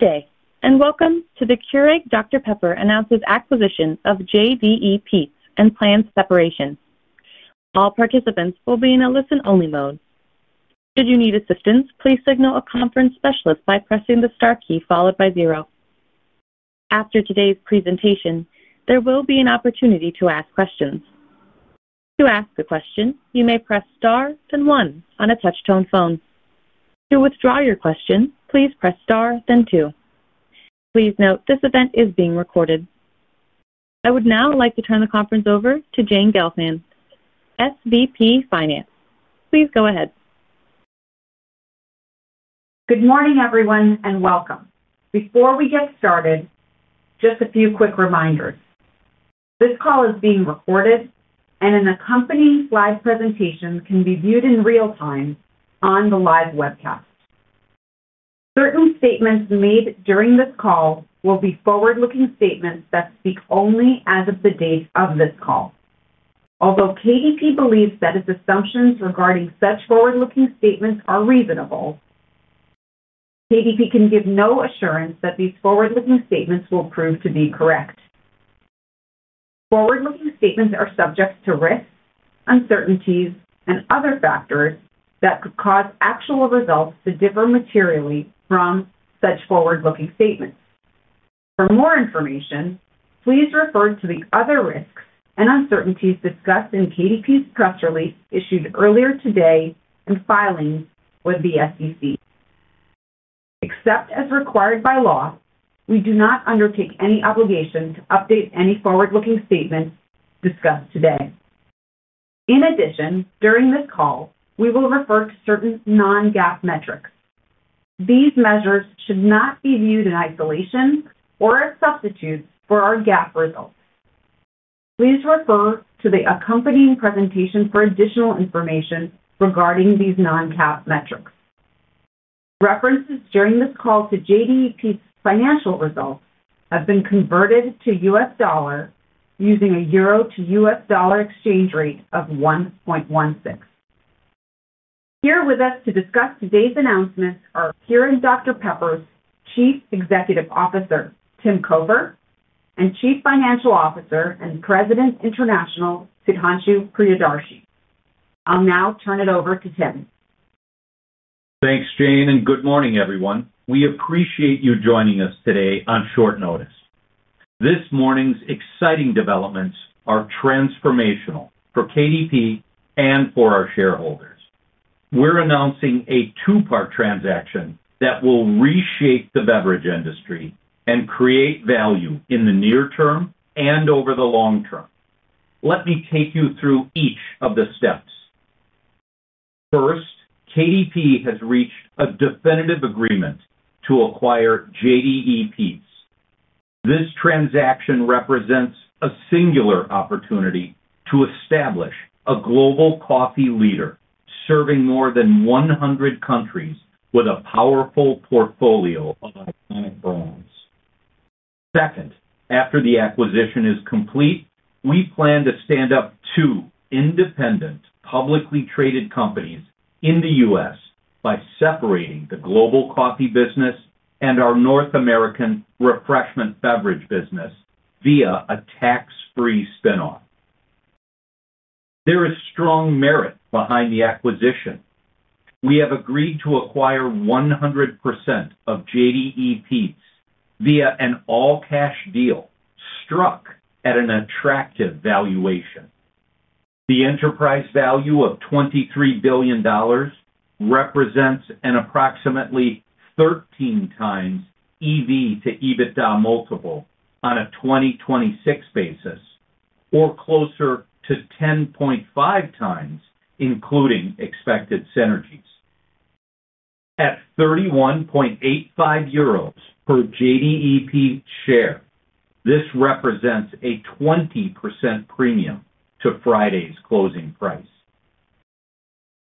Today, and welcome to the Keurig Dr Pepper announces acquisition of JDE Peet's and plans separation. All participants will be in a listen-only mode. Should you need assistance, please signal a conference specialist by pressing the star key followed by zero. After today's presentation, there will be an opportunity to ask questions. To ask a question, you may press star then one on a touch-tone phone. To withdraw your question, please press star then two. Please note this event is being recorded. I would now like to turn the conference over to Jane Gelfand, SVP Finance. Please go ahead. Good morning, everyone, and welcome. Before we get started, just a few quick reminders. This call is being recorded, and an accompanying live presentation can be viewed in real time on the live webcast. Certain statements made during this call will be forward-looking statements that speak only as of the date of this call. Although KDP believes that its assumptions regarding such forward-looking statements are reasonable, KDP can give no assurance that these forward-looking statements will prove to be correct. Forward-looking statements are subject to risks, uncertainties, and other factors that could cause actual results to differ materially from such forward-looking statements. For more information, please refer to the other risks and uncertainties discussed in KDP's press release issued earlier today and filing with the SEC. Except as required by law, we do not undertake any obligation to update any forward-looking statements discussed today. In addition, during this call, we will refer to certain non-GAAP metrics. These measures should not be viewed in isolation or as substitutes for our GAAP results. Please refer to the accompanying presentation for additional information regarding these non-GAAP metrics. References during this call to JDE Peet's financial results have been converted to U.S. dollars using a euro-to-U.S. dollar exchange rate of 1.16. Here with us to discuss today's announcements are Keurig Dr Pepper's Chief Executive Officer, Tim Cofer, and Chief Financial Officer and President International, Sudhanshu Priyadarshi. I'll now turn it over to Tim. Thanks, Jane, and good morning, everyone. We appreciate you joining us today on short notice. This morning's exciting developments are transformational for KDP and for our shareholders. We're announcing a two-part transaction that will reshape the beverage industry and create value in the near term and over the long term. Let me take you through each of the steps. First, KDP has reached a definitive agreement to acquire JDE Peet's. This transaction represents a singular opportunity to establish a global coffee leader serving more than 100 countries with a powerful portfolio of iconic brands. Second, after the acquisition is complete, we plan to stand up two independent, publicly traded companies in the U.S. by separating the global coffee business and our North American refreshment beverage business via a tax-free spin-off. There is strong merit behind the acquisition. We have agreed to acquire 100% of JDE Peet's via an all-cash deal struck at an attractive valuation. The enterprise value of $23 billion represents an approximately 13x EV to EBITDA multiple on a 2026 basis, or closer to 10.5x, including expected synergies. At 31.85 euros per JDE Peet's share, this represents a 20% premium to Friday's closing price.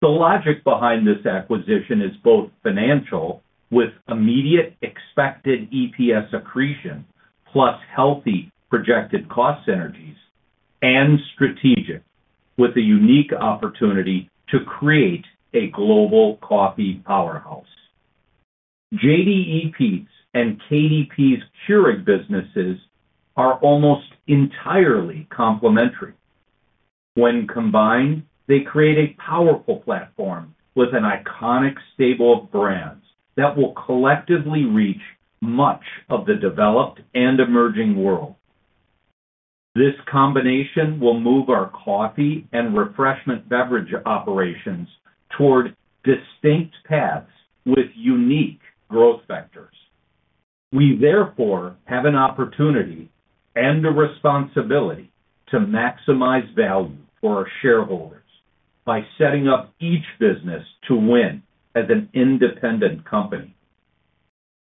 The logic behind this acquisition is both financial, with immediate expected EPS accretion plus healthy projected cost synergies, and strategic, with a unique opportunity to create a global coffee powerhouse. JDE Peet's and KDP's Keurig businesses are almost entirely complementary. When combined, they create a powerful platform with an iconic stable of brands that will collectively reach much of the developed and emerging world. This combination will move our coffee and refreshment beverage operations toward distinct paths with unique growth vectors. We therefore have an opportunity and a responsibility to maximize value for our shareholders by setting up each business to win as an independent company.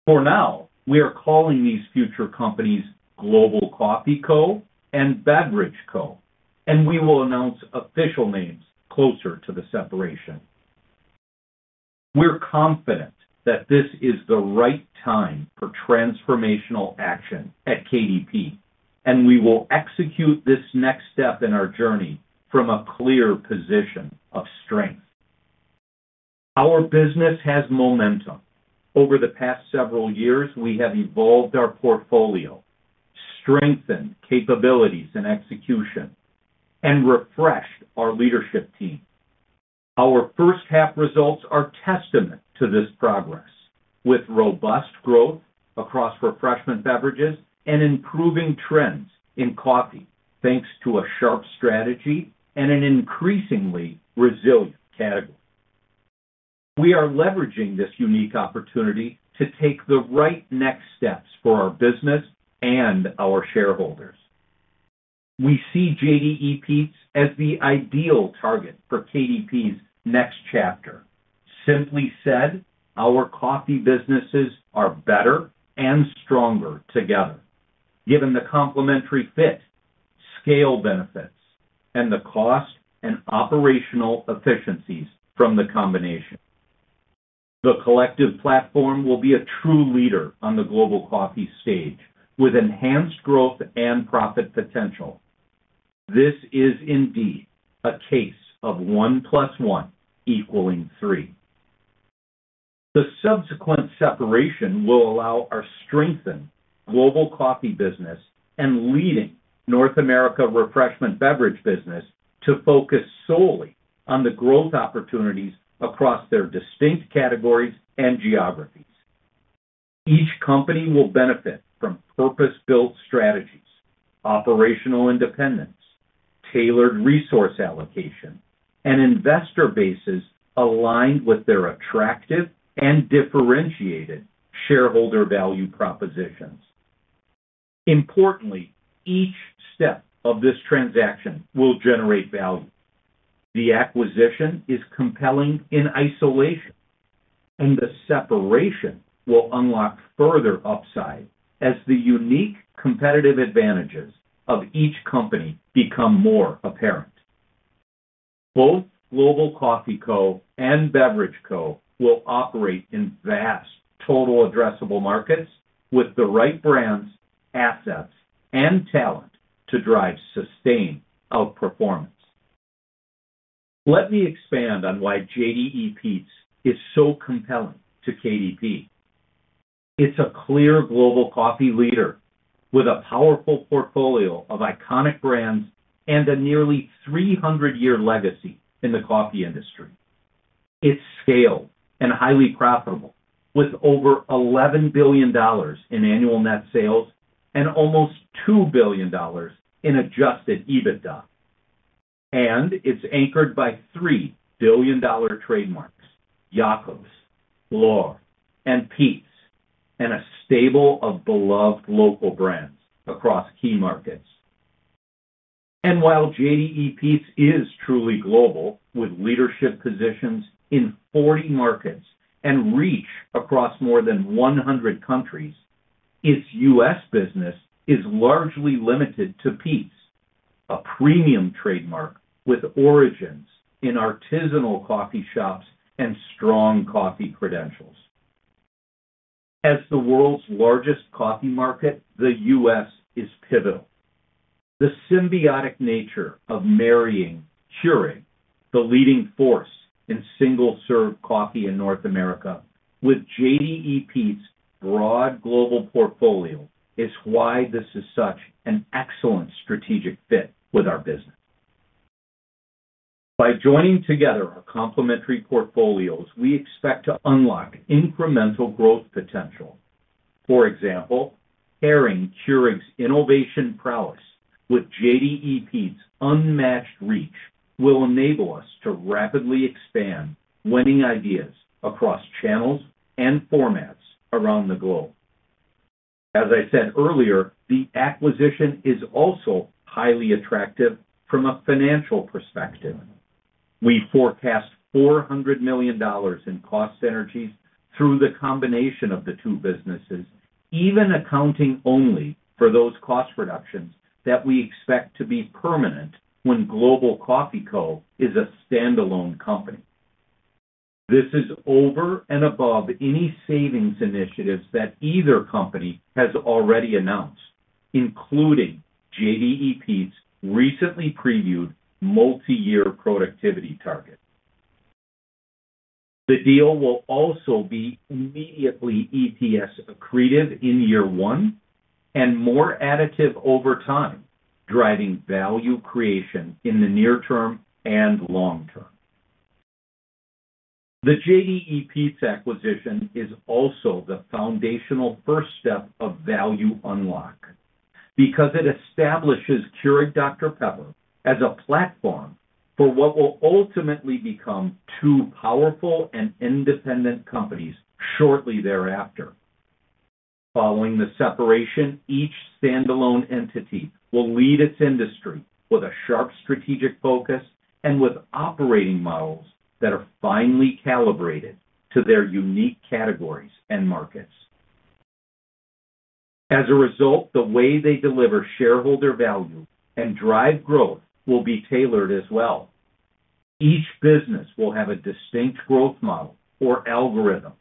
For now, we are calling these future companies Global Coffee Co. and Beverage Co., and we will announce official names closer to the separation. We're confident that this is the right time for transformational action at KDP, and we will execute this next step in our journey from a clear position of strength. Our business has momentum. Over the past several years, we have evolved our portfolio, strengthened capabilities and execution, and refreshed our leadership team. Our first half results are a testament to this progress, with robust growth across refreshment beverages and improving trends in coffee, thanks to a sharp strategy and an increasingly resilient category. We are leveraging this unique opportunity to take the right next steps for our business and our shareholders. We see JDE Peet's as the ideal target for KDP's next chapter. Simply said, our coffee businesses are better and stronger together, given the complementary fit, scale benefits, and the cost and operational efficiencies from the combination. The collective platform will be a true leader on the global coffee stage with enhanced growth and profit potential. This is indeed a case of one plus one equaling three. The subsequent separation will allow our strengthened global coffee business and leading North America refreshment beverage business to focus solely on the growth opportunities across their distinct categories and geographies. Each company will benefit from purpose-built strategies, operational independence, tailored resource allocation, and investor bases aligned with their attractive and differentiated shareholder value propositions. Importantly, each step of this transaction will generate value. The acquisition is compelling in isolation, and the separation will unlock further upside as the unique competitive advantages of each company become more apparent. Both Global Coffee Co. and Beverage Co. will operate in vast, total addressable markets with the right brands, assets, and talent to drive sustained outperformance. Let me expand on why JDE Peet's is so compelling to KDP. It's a clear global coffee leader with a powerful portfolio of iconic brands and a nearly 300-year legacy in the coffee industry. It's scaled and highly profitable, with over $11 billion in annual net sales and almost $2 billion in adjusted EBITDA. It's anchored by $3 billion trademarks, Jacobs, L’OR, and Peet’s, and a stable of beloved local brands across key markets. While JDE Peet's is truly global with leadership positions in 40 markets and reach across more than 100 countries, its U.S. business is largely limited to Peet’s, a premium trademark with origins in artisanal coffee shops and strong coffee credentials. As the world's largest coffee market, the U.S. is pivotal. The symbiotic nature of marrying Keurig, the leading force in single-serve coffee in North America, with JDE Peet's broad global portfolio, is why this is such an excellent strategic fit with our business. By joining together our complementary portfolios, we expect to unlock incremental growth potential. For example, pairing Keurig's innovation prowess with JDE Peet's unmatched reach will enable us to rapidly expand winning ideas across channels and formats around the globe. As I said earlier, the acquisition is also highly attractive from a financial perspective. We forecast $400 million in cost synergies through the combination of the two businesses, even accounting only for those cost reductions that we expect to be permanent when Global Coffee Co. is a standalone company. This is over and above any savings initiatives that either company has already announced, including JDE Peet's recently previewed multi-year productivity target. The deal will also be immediately EPS accretive in year one and more additive over time, driving value creation in the near term and long term. The JDE Peet's acquisition is also the foundational first step of value unlock because it establishes Keurig Dr Pepper as a platform for what will ultimately become two powerful and independent companies shortly thereafter. Following the separation, each standalone entity will lead its industry with a sharp strategic focus and with operating models that are finely calibrated to their unique categories and markets. As a result, the way they deliver shareholder value and drive growth will be tailored as well. Each business will have a distinct growth model or algorithm,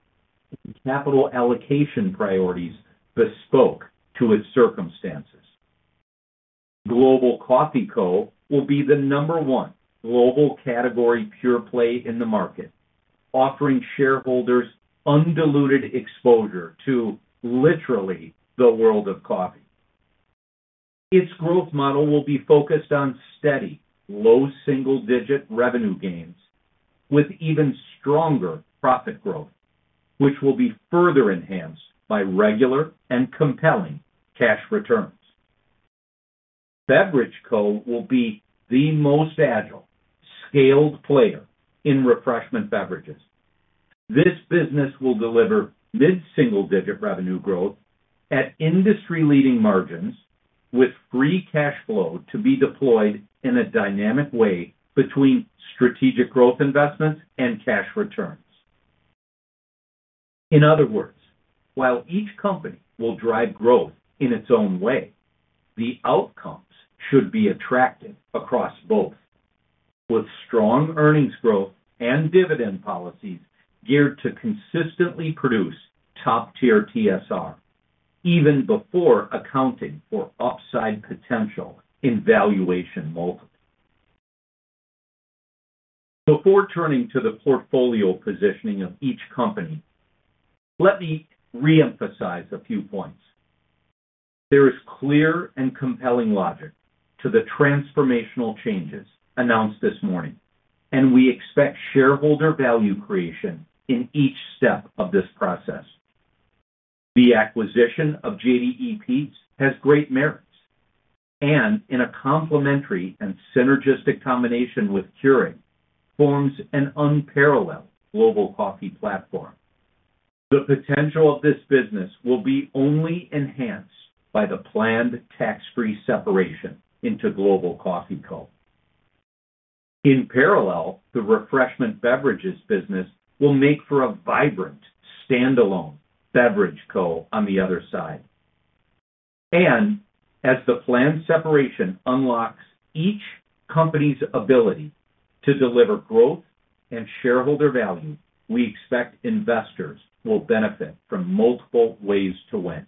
and capital allocation priorities bespoke to its circumstances. Global Coffee Co. will be the number one global category pure play in the market, offering shareholders undiluted exposure to literally the world of coffee. Its growth model will be focused on steady, low single-digit revenue gains, with even stronger profit growth, which will be further enhanced by regular and compelling cash returns. Beverage Co. will be the most agile, scaled player in refreshment beverages. This business will deliver mid-single-digit revenue growth at industry-leading margins with free cash flow to be deployed in a dynamic way between strategic growth investments and cash returns. In other words, while each company will drive growth in its own way, the outcomes should be attractive across both, with strong earnings growth and dividend policies geared to consistently produce top-tier TSR, even before accounting for upside potential in valuation mode. Before turning to the portfolio positioning of each company, let me reemphasize a few points. There is clear and compelling logic to the transformational changes announced this morning, and we expect shareholder value creation in each step of this process. The acquisition of JDE Peet's has great merits, and in a complementary and synergistic combination with Keurig, forms an unparalleled global coffee platform. The potential of this business will be only enhanced by the planned tax-free separation into Global Coffee Co. In parallel, the refreshment beverages business will make for a vibrant standalone Beverage Co. on the other side. As the planned separation unlocks each company's ability to deliver growth and shareholder value, we expect investors will benefit from multiple ways to win.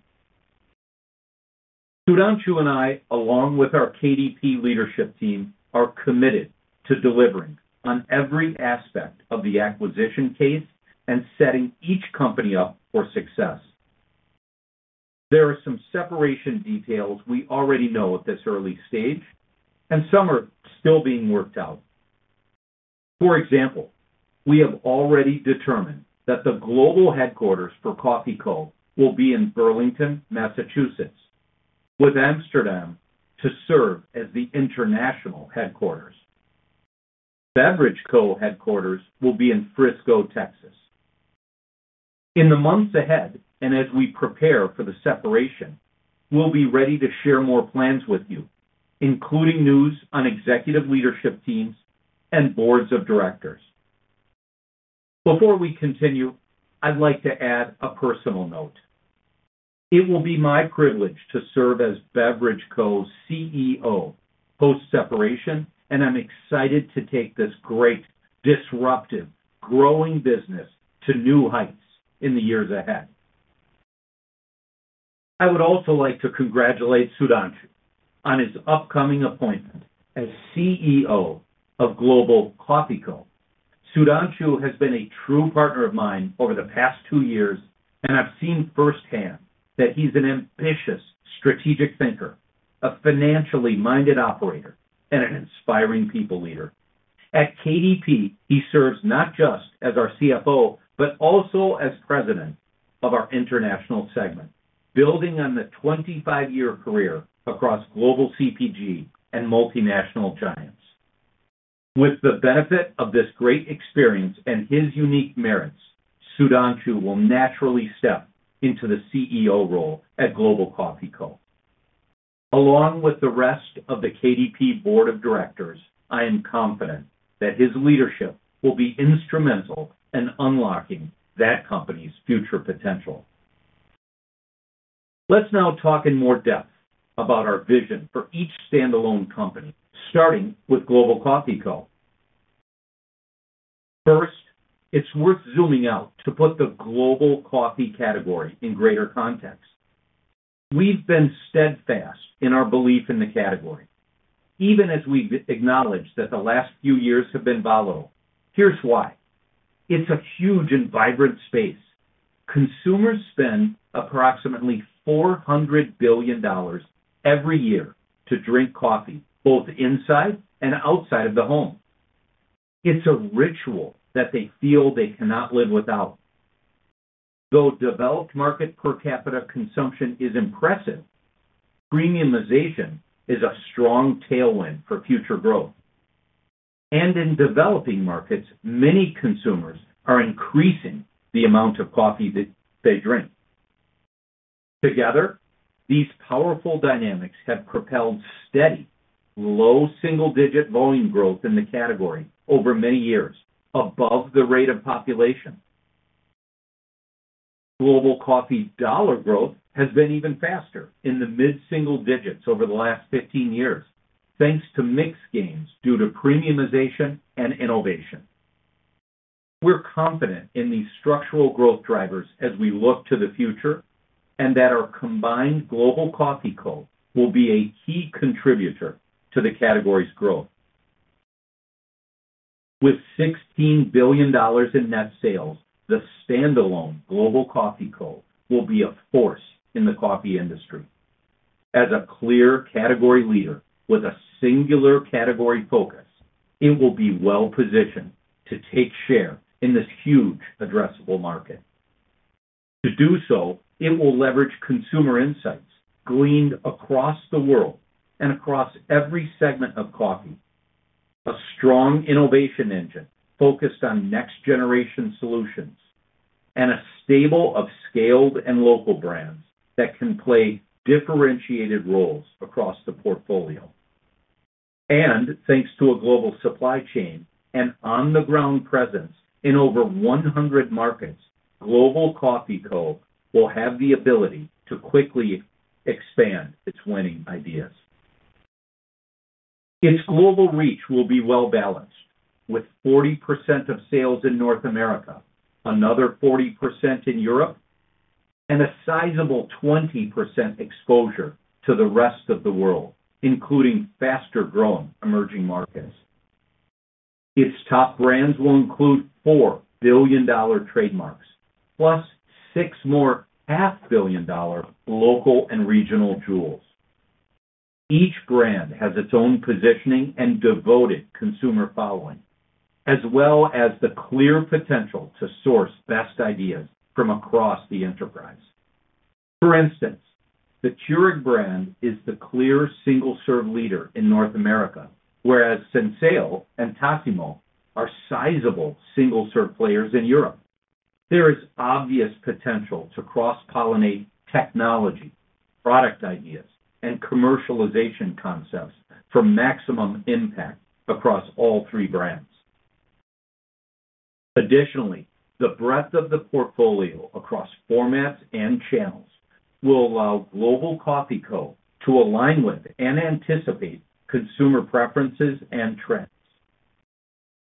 Sudhanshu and I, along with our KDP leadership team, are committed to delivering on every aspect of the acquisition case and setting each company up for success. There are some separation details we already know at this early stage, and some are still being worked out. For example, we have already determined that the global headquarters for Coffee Co. will be in Burlington, Massachusetts, with Amsterdam to serve as the international headquarters. Beverage Co. headquarters will be in Frisco, Texas. In the months ahead, as we prepare for the separation, we'll be ready to share more plans with you, including news on executive leadership teams and boards of directors. Before we continue, I'd like to add a personal note. It will be my privilege to serve as Beverage Co. CEO post-separation, and I'm excited to take this great, disruptive, growing business to new heights in the years ahead. I would also like to congratulate Sudhanshu on his upcoming appointment as CEO of Global Coffee Co. Sudhanshu has been a true partner of mine over the past two years, and I've seen firsthand that he's an ambitious strategic thinker, a financially minded operator, and an inspiring people leader. At KDP, he serves not just as our CFO but also as President of our international segment, building on the 25-year career across global CPG and multinational giants. With the benefit of this great experience and his unique merits, Sudhanshu will naturally step into the CEO role at Global Coffee Co. Along with the rest of the KDP Board of Directors, I am confident that his leadership will be instrumental in unlocking that company's future potential. Let's now talk in more depth about our vision for each standalone company, starting with Global Coffee Co. First, it's worth zooming out to put the global coffee category in greater context. We've been steadfast in our belief in the category, even as we've acknowledged that the last few years have been volatile. Here's why. It's a huge and vibrant space. Consumers spend approximately $400 billion every year to drink coffee, both inside and outside of the home. It's a ritual that they feel they cannot live without. Though developed market per capita consumption is impressive, premiumization is a strong tailwind for future growth. In developing markets, many consumers are increasing the amount of coffee that they drink. Together, these powerful dynamics have propelled steady, low single-digit volume growth in the category over many years, above the rate of population. Global coffee dollar growth has been even faster in the mid-single digits over the last 15 years, thanks to mix gains due to premiumization and innovation. We're confident in these structural growth drivers as we look to the future, and that our combined Global Coffee Co. will be a key contributor to the category's growth. With $16 billion in net sales, the standalone Global Coffee Co. will be a force in the coffee industry. As a clear category leader with a singular category focus, it will be well-positioned to take share in this huge addressable market. To do so, it will leverage consumer insights gleaned across the world and across every segment of coffee, a strong innovation engine focused on next-generation solutions, and a stable of scaled and local brands that can play differentiated roles across the portfolio. Thanks to a global supply chain and on-the-ground presence in over 100 markets, Global Coffee Co. will have the ability to quickly expand its winning ideas. Its global reach will be well-balanced, with 40% of sales in North America, another 40% in Europe, and a sizable 20% exposure to the rest of world, including faster-growing emerging markets. Its top brands will include $4 billion trademarks, plus six more $500 million local and regional jewels. Each brand has its own positioning and devoted consumer following, as well as the clear potential to source best ideas from across the enterprise. For instance, the Keurig brand is the clear single-serve leader in North America, whereas SENSEO and TASSIMO are sizable single-serve players in Europe. There is obvious potential to cross-pollinate technology, product ideas, and commercialization concepts for maximum impact across all three brands. Additionally, the breadth of the portfolio across formats and channels will allow Global Coffee Co. to align with and anticipate consumer preferences and trends.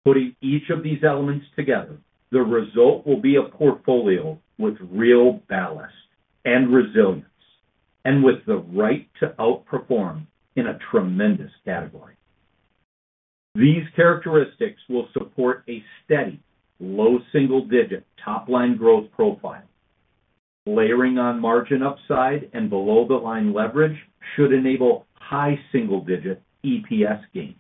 Putting each of these elements together, the result will be a portfolio with real ballast and resilience, and with the right to outperform in a tremendous category. These characteristics will support a steady, low single-digit top-line growth profile. Layering on margin upside and below-the-line leverage should enable high single-digit EPS gains.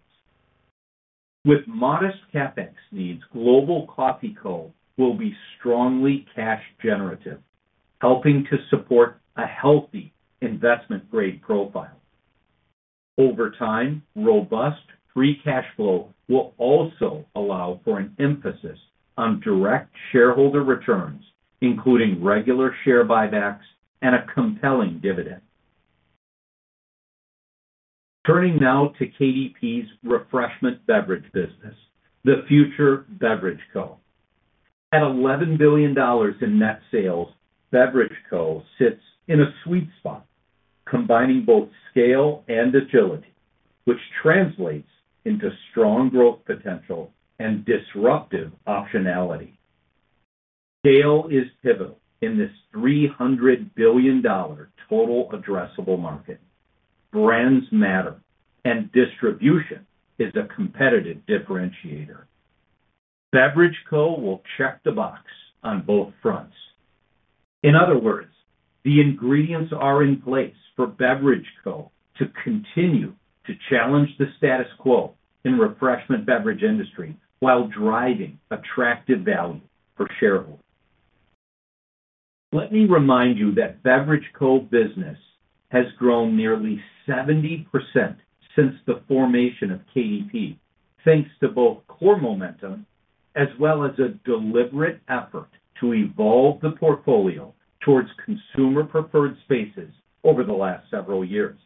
With modest CapEx needs, Global Coffee Co. will be strongly cash-generative, helping to support a healthy investment-grade profile. Over time, robust free cash flow will also allow for an emphasis on direct shareholder returns, including regular share buybacks and a compelling dividend. Turning now to KDP's refreshment beverage business, the future Beverage Co. At $11 billion in net sales, Beverage Co. sits in a sweet spot, combining both scale and agility, which translates into strong growth potential and disruptive optionality. Scale is pivotal in this $300 billion total addressable market. Brands matter, and distribution is a competitive differentiator. Beverage Co. will check the box on both fronts. In other words, the ingredients are in place for Beverage Co. to continue to challenge the status quo in the refreshment beverage industry while driving attractive value for shareholders. Let me remind you that Beverage Co. business has grown nearly 70% since the formation of KDP, thanks to both core momentum as well as a deliberate effort to evolve the portfolio towards consumer-preferred spaces over the last several years.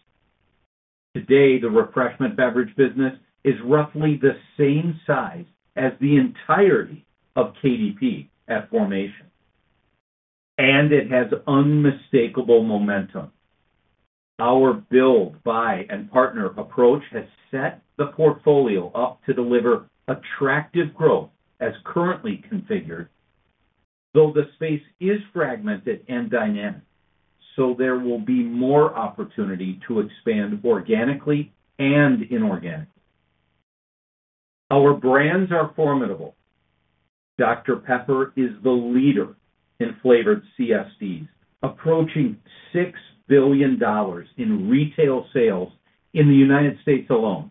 Today, the refreshment beverage business is roughly the same size as the entirety of KDP at formation, and it has unmistakable momentum. Our build, buy, and partner approach has set the portfolio up to deliver attractive growth as currently configured, though the space is fragmented and dynamic, so there will be more opportunity to expand organically and inorganically. Our brands are formidable. Dr Pepper is the leader in flavored CSDs, approaching $6 billion in retail sales in the U.S. alone.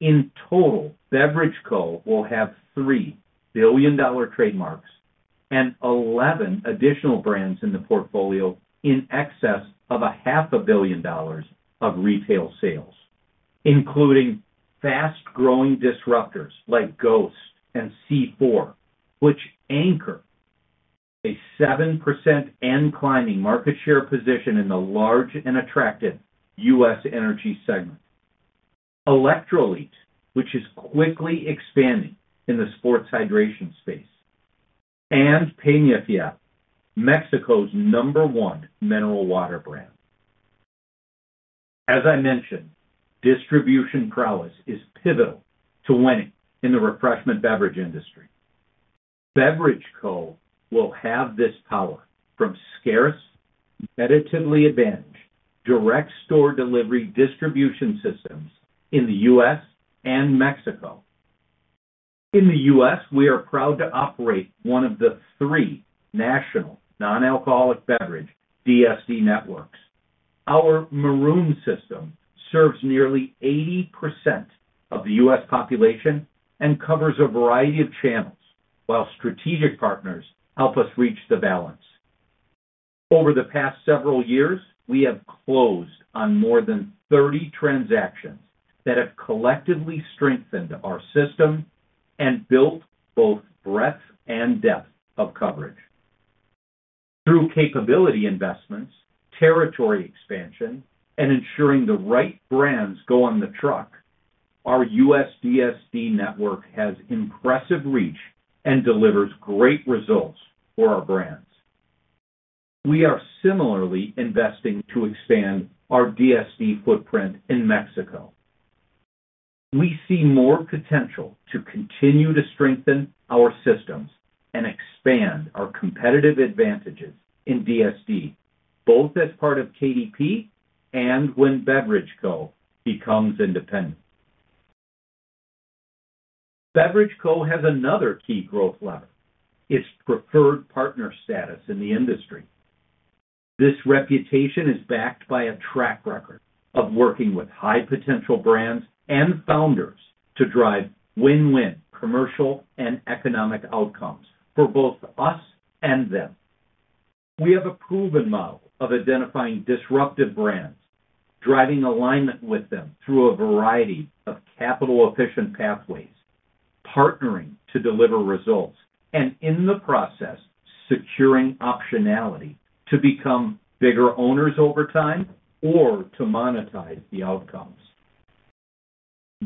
In total, Beverage Co. will have $3 billion trademarks and 11 additional brands in the portfolio in excess of a $500 million of retail sales, including fast-growing disruptors like GHOST and C4, which anchor a 7% and climbing market share position in the large and attractive U.S. energy segment. Electrolit, which is quickly expanding in the sports hydration space, and Peñafiel, Mexico's number one mineral water brand. As I mentioned, distribution prowess is pivotal to winning in the refreshment beverage industry. Beverage Co. will have this power from scarce, competitively advantaged direct store delivery distribution systems in the U.S. and Mexico. In the U.S., we are proud to operate one of the three national non-alcoholic beverage DSD networks. Our maroon system serves nearly 80% of the U.S. population and covers a variety of channels, while strategic partners help us reach the balance. Over the past several years, we have closed on more than 30 transactions that have collectively strengthened our system and built both breadth and depth of coverage. Through capability investments, territory expansion, and ensuring the right brands go on the truck, our U.S. DSD network has impressive reach and delivers great results for our brands. We are similarly investing to expand our DSD footprint in Mexico. We see more potential to continue to strengthen our systems and expand our competitive advantages in DSD, both as part of KDP and when Beverage Co. becomes independent. Beverage Co. has another key growth lever: its preferred partner status in the industry. This reputation is backed by a track record of working with high-potential brands and founders to drive win-win commercial and economic outcomes for both us and them. We have a proven model of identifying disruptive brands, driving alignment with them through a variety of capital-efficient pathways, partnering to deliver results, and in the process, securing optionality to become bigger owners over time or to monetize the outcomes.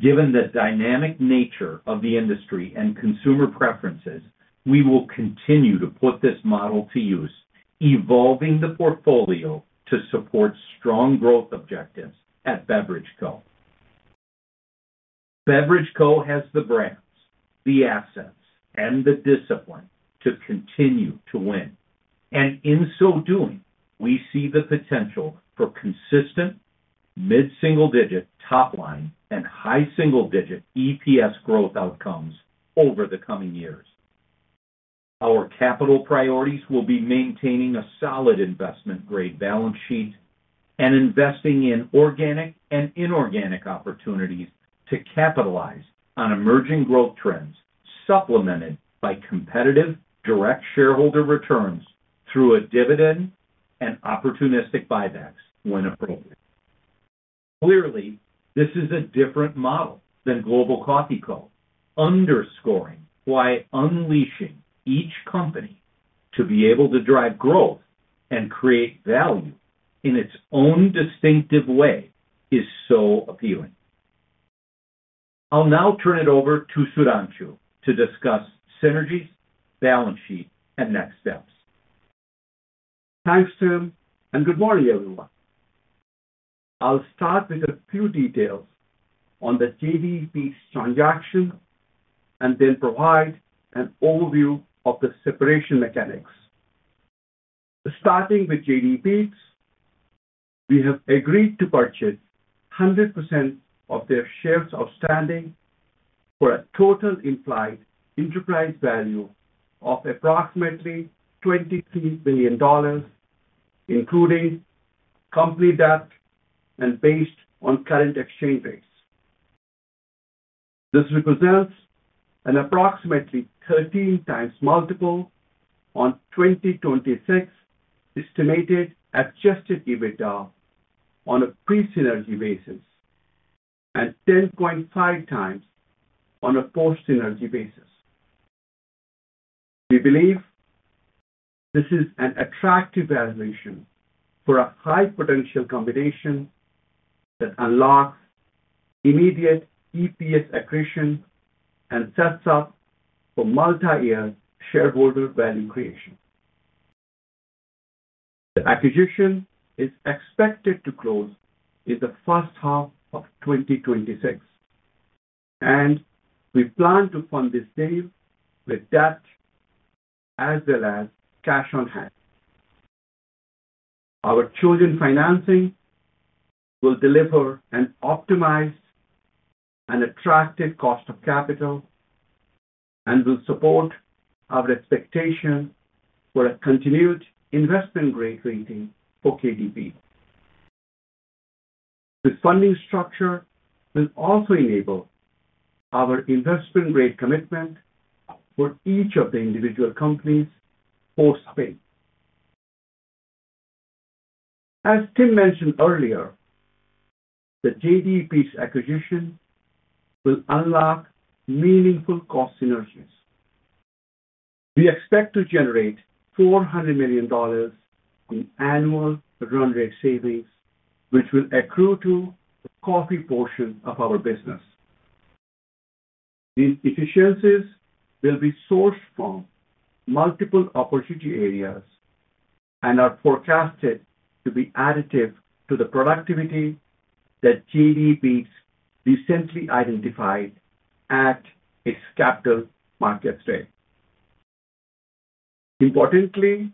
Given the dynamic nature of the industry and consumer preferences, we will continue to put this model to use, evolving the portfolio to support strong growth objectives at Beverage Co. Beverage Co. has the brands, the assets, and the discipline to continue to win. In so doing, we see the potential for consistent mid-single-digit top-line and high single-digit EPS growth outcomes over the coming years. Our capital priorities will be maintaining a solid investment-grade balance sheet and investing in organic and inorganic opportunities to capitalize on emerging growth trends, supplemented by competitive direct shareholder returns through a dividend and opportunistic buybacks when appropriate. Clearly, this is a different model than Global Coffee Co., underscoring why unleashing each company to be able to drive growth and create value in its own distinctive way is so appealing. I'll now turn it over to Sudhanshu to discuss synergies, balance sheet, and next steps. Thanks, Tim, and good morning, everyone. I'll start with a few details on the JDE Peet's transaction and then provide an overview of the separation mechanics. Starting with JDE Peet's, we have agreed to purchase 100% of their shares outstanding for a total implied enterprise value of approximately $23 billion, including company debt and based on current exchange rates. This represents an approximately 13x multiple on 2026 estimated adjusted EBITDA on a pre-synergy basis and 10.5x on a post-synergy basis. We believe this is an attractive valuation for a high-potential combination that unlocks immediate EPS accretion and sets up for multi-year shareholder value creation. The acquisition is expected to close in the first half of 2026, and we plan to fund this deal with debt as well as cash on hand. Our chosen financing will deliver an optimized and attractive cost of capital and will support our expectation for a continued investment-grade rating for KDP. The funding structure will also enable our investment-grade commitment for each of the individual companies post-spin. As Tim mentioned earlier, the JDE Peet's acquisition will unlock meaningful cost synergies. We expect to generate $400 million in annual run-rate savings, which will accrue to the coffee portion of our business. These efficiencies will be sourced from multiple opportunity areas and are forecasted to be additive to the productivity that JDE Peet's recently identified at its capital markets event. Importantly,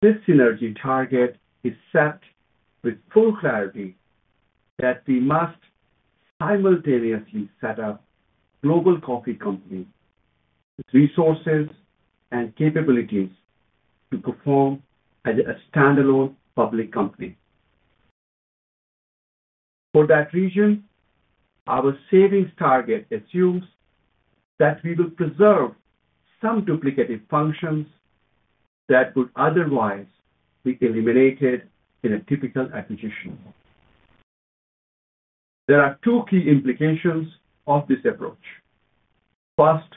this synergy target is set with full clarity that we must simultaneously set up a Global Coffee Co. with resources and capabilities to perform as a standalone public company. For that reason, our savings target assumes that we will preserve some duplicative functions that would otherwise be eliminated in a typical acquisition. There are two key implications of this approach. First,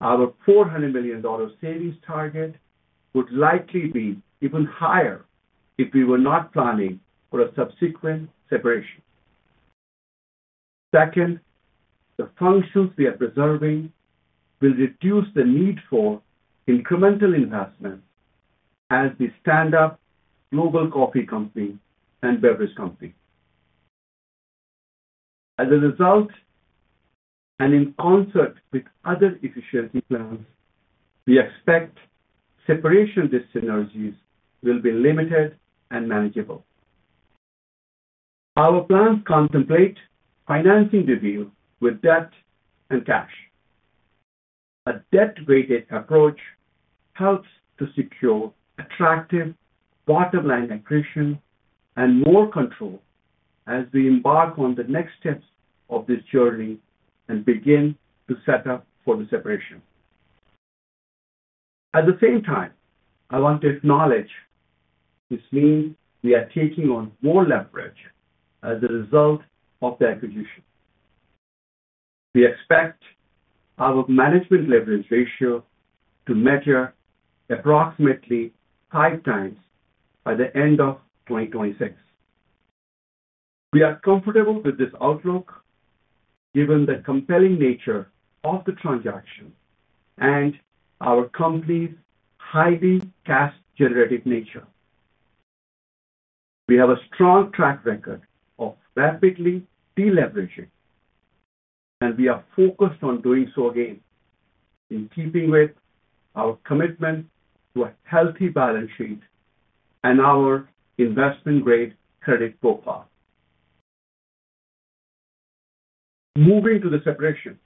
our $400 million savings target would likely be even higher if we were not planning for a subsequent separation. Second, the functions we are preserving will reduce the need for incremental investment as we stand up a Global Coffee Company and Beverage Company. As a result, and in concert with other efficiency plans, we expect separation dis-synergies will be limited and manageable. Our plans contemplate financing the deal with debt and cash. A debt-weighted approach helps to secure attractive bottom-line accretion and more control as we embark on the next steps of this journey and begin to set up for the separation. At the same time, I want to acknowledge this means we are taking on more leverage as a result of the acquisition. We expect our management leverage ratio to measure approximately 5x by the end of 2026. We are comfortable with this outlook given the compelling nature of the transaction and our company's highly cash-generative nature. We have a strong track record of rapidly deleveraging, and we are focused on doing so again in keeping with our commitment to a healthy balance sheet and our investment-grade credit profile. Moving to the separation,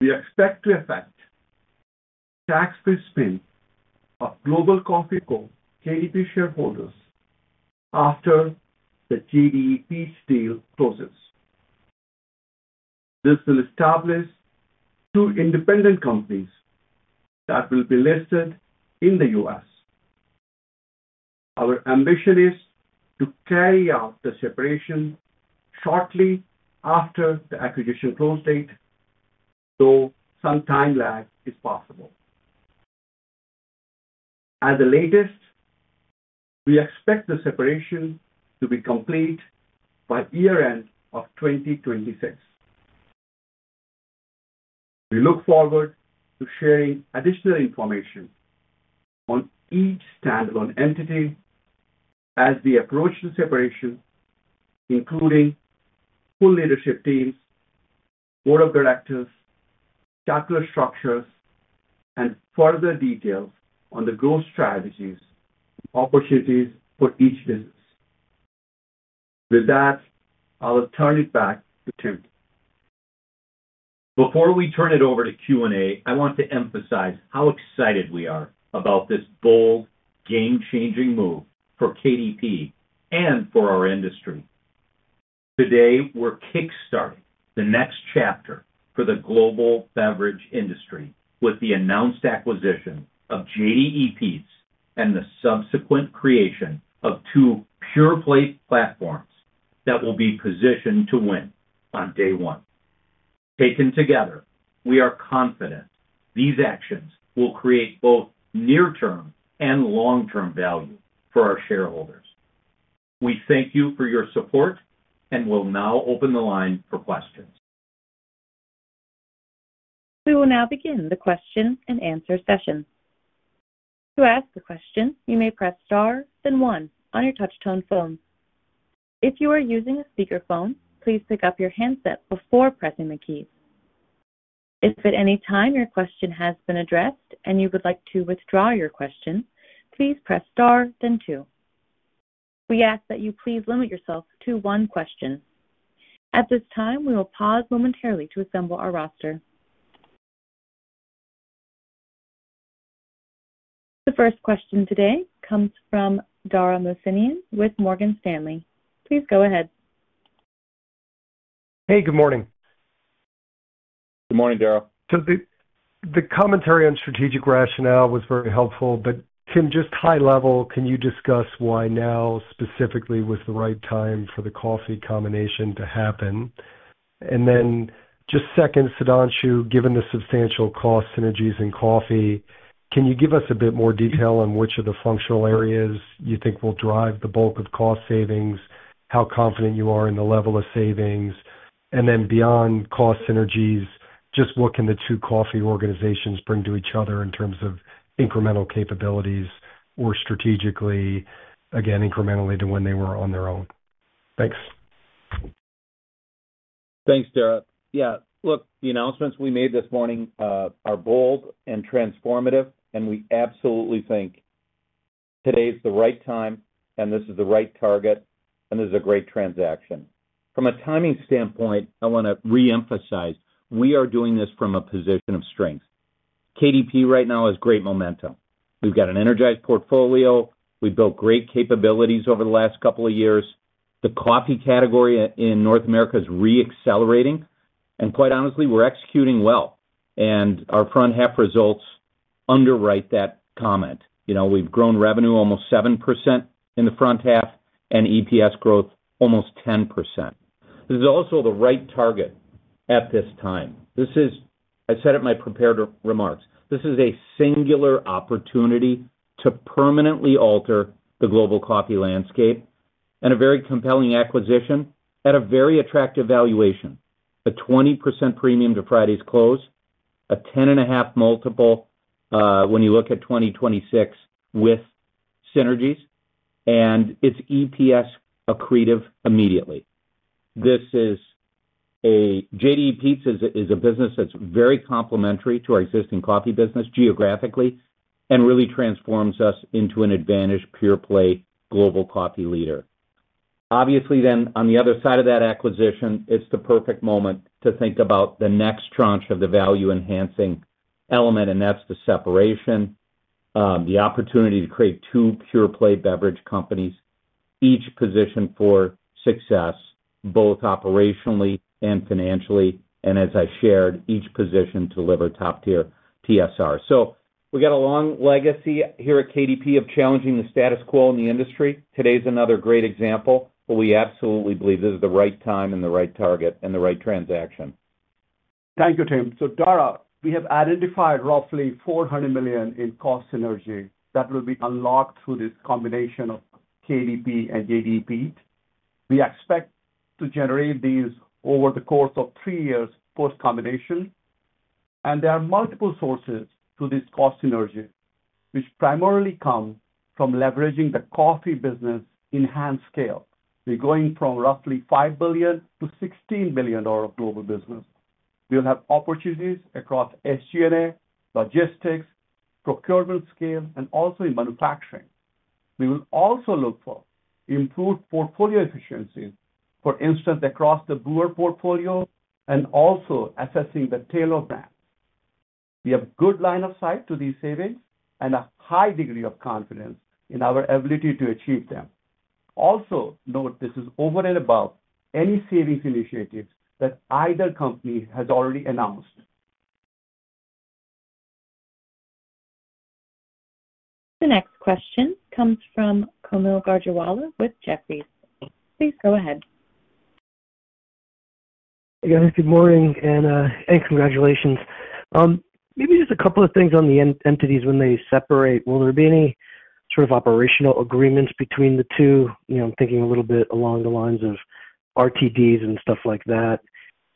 we expect to effect the tax-free spin of Global Coffee Co. to KDP shareholders after the JDE Peet's deal closes. This will establish two independent companies that will be listed in the U.S. Our ambition is to carry out the separation shortly after the acquisition close date, though some time lag is possible. At the latest, we expect the separation to be complete by the year-end of 2026. We look forward to sharing additional information on each standalone entity as we approach the separation, including the full leadership team, board of directors, capital structures, and further detail on the growth strategies and opportunities for each entity. With that, I will turn it back to Tim. Before we turn it over to Q&A, I want to emphasize how excited we are about this bold, game-changing move for KDP and for our industry. Today, we're kickstarting the next chapter for the global beverage industry with the announced acquisition of JDE Peet's and the subsequent creation of two pure play platforms that will be positioned to win on day one. Taken together, we are confident these actions will create both near-term and long-term value for our shareholders. We thank you for your support and will now open the line for questions. We will now begin the question and answer session. To ask a question, you may press star then one on your touch-tone phone. If you are using a speaker phone, please pick up your handset before pressing the key. If at any time your question has been addressed and you would like to withdraw your question, please press star then two. We ask that you please limit yourself to one question. At this time, we will pause momentarily to assemble our roster. The first question today comes from Dara Mohsenian with Morgan Stanley. Please go ahead. Hey, good morning. Good morning, Dara. The commentary on strategic rationale was very helpful. Tim, just high level, can you discuss why now specifically was the right time for the coffee combination to happen? Just second, Sudhanshu, given the substantial cost synergies in coffee, can you give us a bit more detail on which of the functional areas you think will drive the bulk of cost savings, how confident you are in the level of savings, and then beyond cost synergies, just what can the two coffee organizations bring to each other in terms of incremental capabilities or strategically, again, incrementally to when they were on their own? Thanks. Thanks, Dara. Yeah, look, the announcements we made this morning are bold and transformative, and we absolutely think today's the right time, and this is the right target, and this is a great transaction. From a timing standpoint, I want to reemphasize we are doing this from a position of strength. KDP right now has great momentum. We've got an energized portfolio. We've built great capabilities over the last couple of years. The coffee category in North America is reaccelerating, and quite honestly, we're executing well. Our front half results underwrite that comment. We've grown revenue almost 7% in the front half and EPS growth almost 10%. This is also the right target at this time. I said it in my prepared remarks, this is a singular opportunity to permanently alter the global coffee landscape and a very compelling acquisition at a very attractive valuation, a 20% premium to Friday's close, a 10.5x when you look at 2026 with synergies, and it's EPS accretive immediately. JDE Peet's is a business that's very complementary to our existing coffee business geographically and really transforms us into an advantaged pure play global coffee leader. Obviously, on the other side of that acquisition, it's the perfect moment to think about the next tranche of the value-enhancing element, and that's the separation, the opportunity to create two pure play beverage companies, each positioned for success, both operationally and financially, and as I shared, each positioned to deliver top-tier TSR. We have a long legacy here at KDP of challenging the status quo in the industry. Today's another great example, but we absolutely believe this is the right time and the right target and the right transaction. Thank you, Tim. Dara, we have identified roughly $400 million in cost synergies that will be unlocked through this combination of KDP and JDE Peet's. We expect to generate these over the course of three years post-combination, and there are multiple sources to this cost synergy, which primarily come from leveraging the coffee business in hand scale. We're going from roughly $5 billion to $16 billion of global business. We'll have opportunities across SG&A, logistics, procurement scale, and also in manufacturing. We will also look for improved portfolio efficiencies, for instance, across the Brewer portfolio and also assessing the tailor brand. We have a good line of sight to these savings and a high degree of confidence in our ability to achieve them. Also, note this is over and above any savings initiatives that either company has already announced. The next question comes from Kaumil Gajrawala with Jefferies. Please go ahead. Good morning, and thanks, congratulations. Maybe just a couple of things on the entities when they separate. Will there be any sort of operational agreements between the two? I'm thinking a little bit along the lines of RTDs and stuff like that.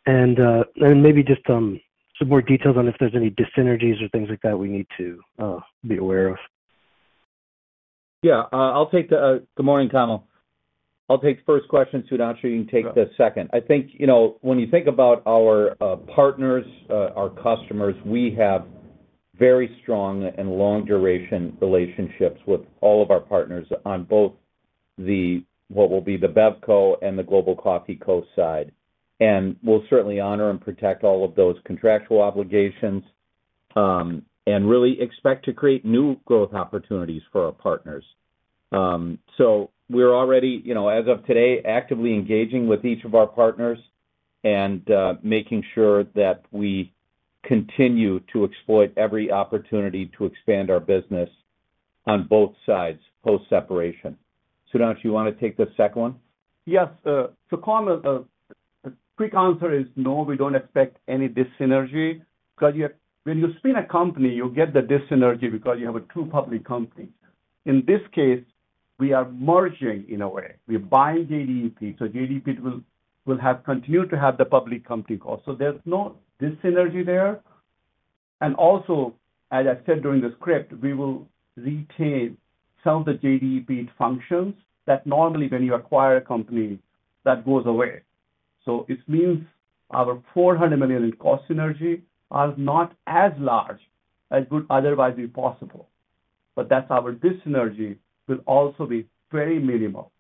Maybe just some more details on if there's any disynergies or things like that we need to be aware of. Yeah, I'll take the morning, Kaumil. I'll take the first question, Sudhanshu. You can take the second. I think, you know, when you think about our partners, our customers, we have very strong and long-duration relationships with all of our partners on both what will be the Bev Co. and the Global Coffee Co. side. We will certainly honor and protect all of those contractual obligations and really expect to create new growth opportunities for our partners. We are already, as of today, actively engaging with each of our partners and making sure that we continue to exploit every opportunity to expand our business on both sides post-separation. Sudhanshu, you want to take the second one? Yes. To comment, the pre-concept is no, we don't expect any dissynergy because when you spin a company, you get the dissynergy because you have a true public company. In this case, we are merging in a way. We're buying JDE Peet's, so JDE Peet's will continue to have the public company cost. There's no dissynergy there. Also, as I said during the script, we will retain some of the JDE Peet's functions that normally when you acquire a company, that goes away. It means our $400 million cost synergy is not as large as would otherwise be possible. That's why our dissynergy will also be very minimal.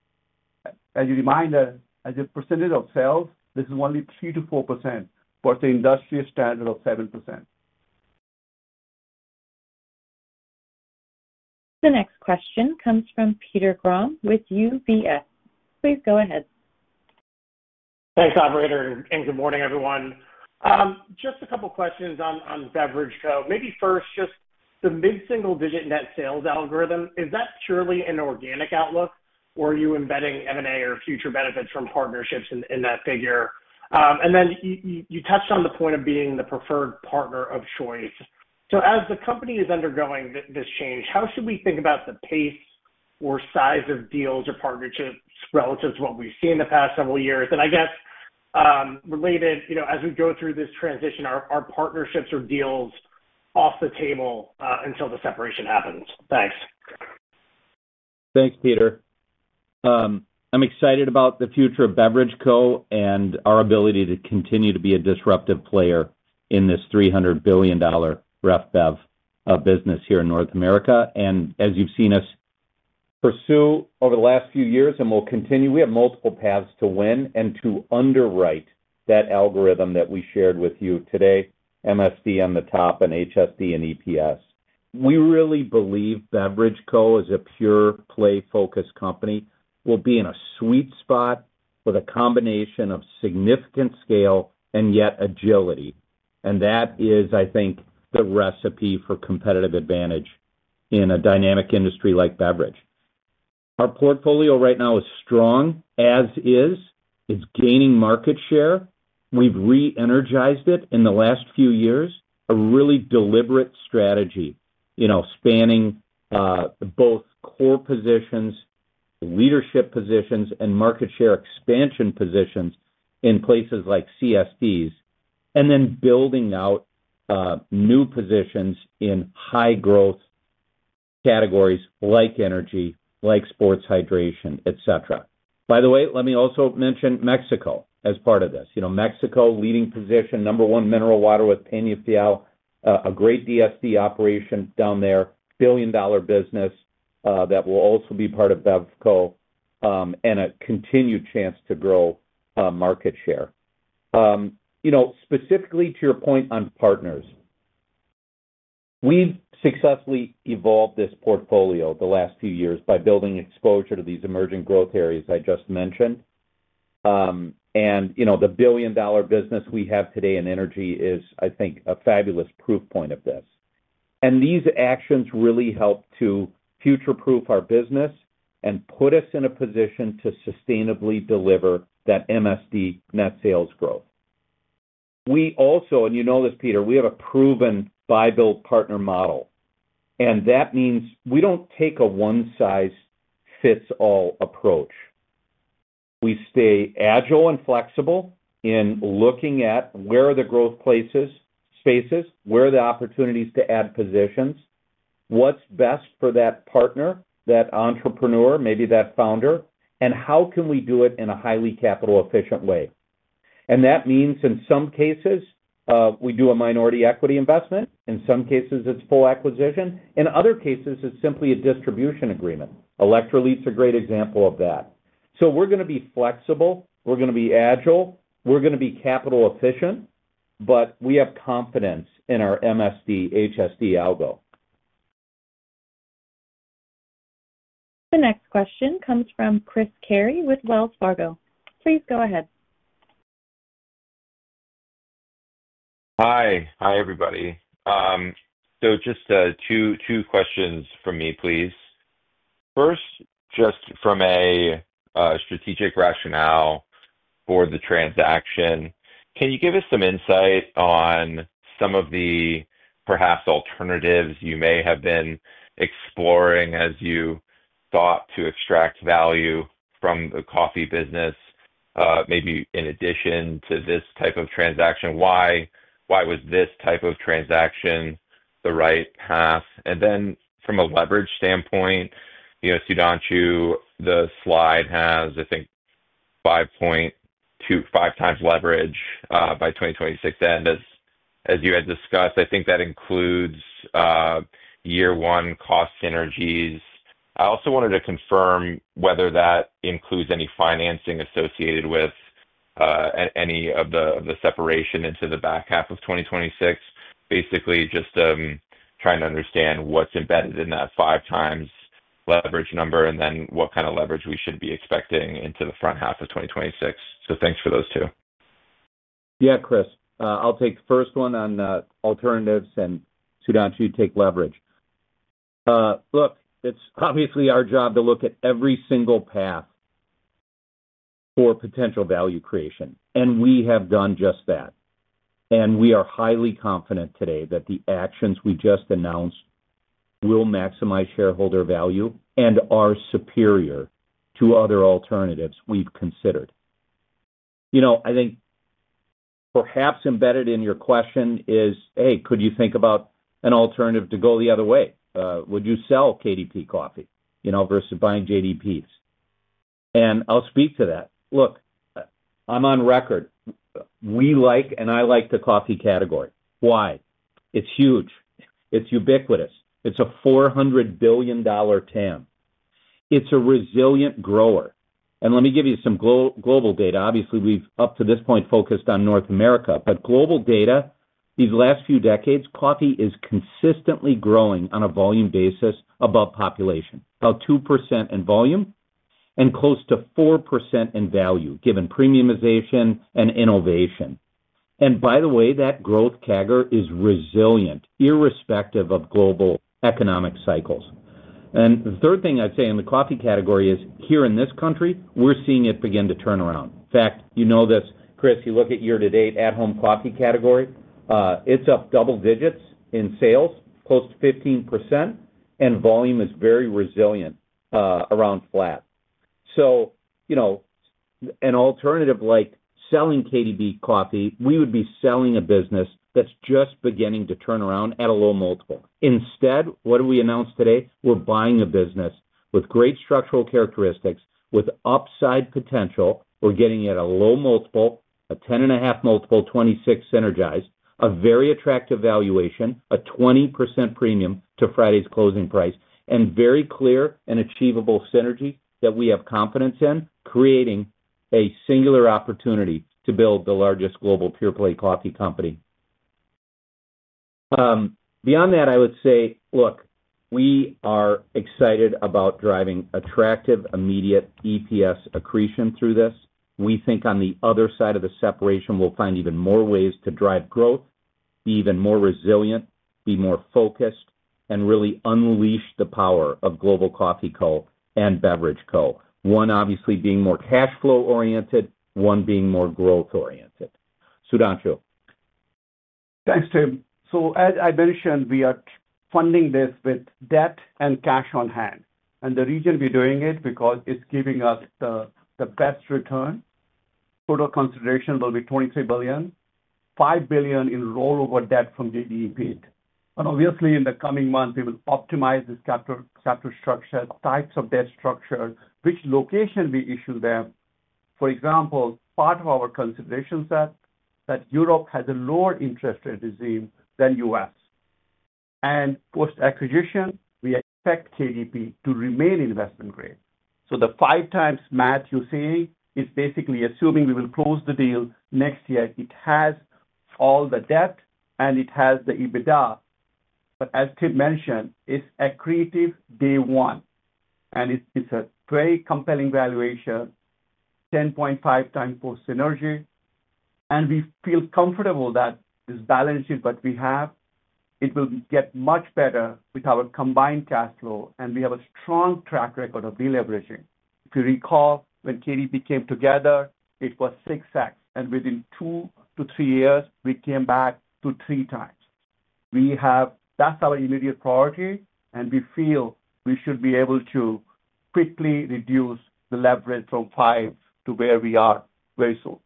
As a reminder, as a percentage of sales, this is only 3%-4%, but the industry standard is 7%. The next question comes from Peter Grom with UBS. Please go ahead. Thanks, operator, and good morning, everyone. Just a couple of questions on Beverage Co. Maybe first, just the mid-single-digit net sales algorithm, is that purely an organic outlook, or are you embedding M&A or future benefits from partnerships in that figure? You touched on the point of being the preferred partner of choice. As the company is undergoing this change, how should we think about the pace or size of deals or partnerships relative to what we've seen in the past several years? I guess related, as we go through this transition, are partnerships or deals off the table until the separation happens? Thanks. Thanks, Peter. I'm excited about the future of Beverage Co. and our ability to continue to be a disruptive player in this $300-billion ref bev business here in North America. As you've seen us pursue over the last few years, and we'll continue, we have multiple paths to win and to underwrite that algorithm that we shared with you today, MSD on the top and HSD in EPS. We really believe Beverage Co. is a pure play-focused company. We'll be in a sweet spot with a combination of significant scale and yet agility. That is, I think, the recipe for competitive advantage in a dynamic industry like beverage. Our portfolio right now is strong, as is. It's gaining market share. We've re-energized it in the last few years, a really deliberate strategy, you know, spanning both core positions, leadership positions, and market share expansion positions in places like CSDs, and then building out new positions in high-growth categories like energy, like sports hydration, et cetera. By the way, let me also mention Mexico as part of this. You know, Mexico, leading position, number one mineral water with Peñafiel, a great DSD operation down there, billion-dollar business that will also be part of Bev Co. and a continued chance to grow market share. Specifically to your point on partners, we've successfully evolved this portfolio the last few years by building exposure to these emerging growth areas I just mentioned. The billion-dollar business we have today in energy is, I think, a fabulous proof point of this. These actions really help to future-proof our business and put us in a position to sustainably deliver that MSD net sales growth. We also, and you know this, Peter, we have a proven buy-build-partner model. That means we don't take a one-size-fits-all approach. We stay agile and flexible in looking at where are the growth places, spaces, where are the opportunities to add positions, what's best for that partner, that entrepreneur, maybe that founder, and how can we do it in a highly capital-efficient way. That means in some cases, we do a minority equity investment. In some cases, it's full acquisition. In other cases, it's simply a distribution agreement. Electrolit is a great example of that. We're going to be flexible. We're going to be agile. We're going to be capital-efficient. We have confidence in our MSD HSD algo. The next question comes from Chris Carey with Wells Fargo. Please go ahead. Hi everybody. Just two questions from me, please. First, just from a strategic rationale for the transaction, can you give us some insight on some of the perhaps alternatives you may have been exploring as you thought to extract value from the coffee business, maybe in addition to this type of transaction? Why was this type of transaction the right path? From a leverage standpoint, you know, Sudhanshu, the slide has, I think, 5.25x leverage by 2026. As you had discussed, I think that includes year-one cost synergies. I also wanted to confirm whether that includes any financing associated with any of the separation into the back half of 2026. Basically, just trying to understand what's embedded in that 5x leverage number and then what kind of leverage we should be expecting into the front half of 2026. Thanks for those two. Yeah, Chris, I'll take the first one on alternatives and Sudhanshu, take leverage. Look, it's obviously our job to look at every single path for potential value creation. We have done just that. We are highly confident today that the actions we just announced will maximize shareholder value and are superior to other alternatives we've considered. I think perhaps embedded in your question is, hey, could you think about an alternative to go the other way? Would you sell KDP coffee, you know, versus buying JDE Peet's? I'll speak to that. I'm on record. We like, and I like the coffee category. Why? It's huge. It's ubiquitous. It's a $400-billion TAM. It's a resilient grower. Let me give you some global data. Obviously, we've up to this point focused on North America, but global data, these last few decades, coffee is consistently growing on a volume basis above population, about 2% in volume and close to 4% in value, given premiumization and innovation. By the way, that growth category is resilient, irrespective of global economic cycles. The third thing I'd say in the coffee category is here in this country, we're seeing it begin to turn around. In fact, you know this, Chris, you look at year-to-date at-home coffee category, it's up double digits in sales, close to 15%, and volume is very resilient around flat. An alternative like selling KDP coffee, we would be selling a business that's just beginning to turn around at a low multiple. Instead, what do we announce today? We're buying a business with great structural characteristics, with upside potential. We're getting at a low multiple, a 10.5x, 26x synergized, a very attractive valuation, a 20% premium to Friday's closing price, and very clear and achievable synergy that we have confidence in creating a singular opportunity to build the largest global pure play coffee company. Beyond that, I would say, look, we are excited about driving attractive immediate EPS accretion through this. We think on the other side of the separation, we'll find even more ways to drive growth, be even more resilient, be more focused, and really unleash the power of Global Coffee Co. and Beverage Co., one obviously being more cash flow-oriented, one being more growth-oriented. Sudhanshu. Thanks, Tim. As I mentioned, we are funding this with debt and cash on hand. The reason we're doing it is because it's giving us the best return. Total consideration will be $23 billion, $5 billion in rollover debt from JDE Peet's. Obviously, in the coming months, we will optimize this capital structure, types of debt structure, and which location we issue them. For example, part of our consideration is that Europe has a lower interest rate regime than the U.S. Post-acquisition, we expect KDP to remain investment-grade. The five times math you see is basically assuming we will close the deal next year. It has all the debt, and it has the EBITDA. As Tim mentioned, it's accretive day one, and it's a very compelling valuation, 10.5x post-synergy. We feel comfortable that this balance sheet that we have, it will get much better with our combined cash flow, and we have a strong track record of deleveraging. If you recall, when KDP came together, it was 6x, and within two to three years, we came back to 3x. That's our immediate priority, and we feel we should be able to quickly reduce the leverage from 5x to where we are very soon.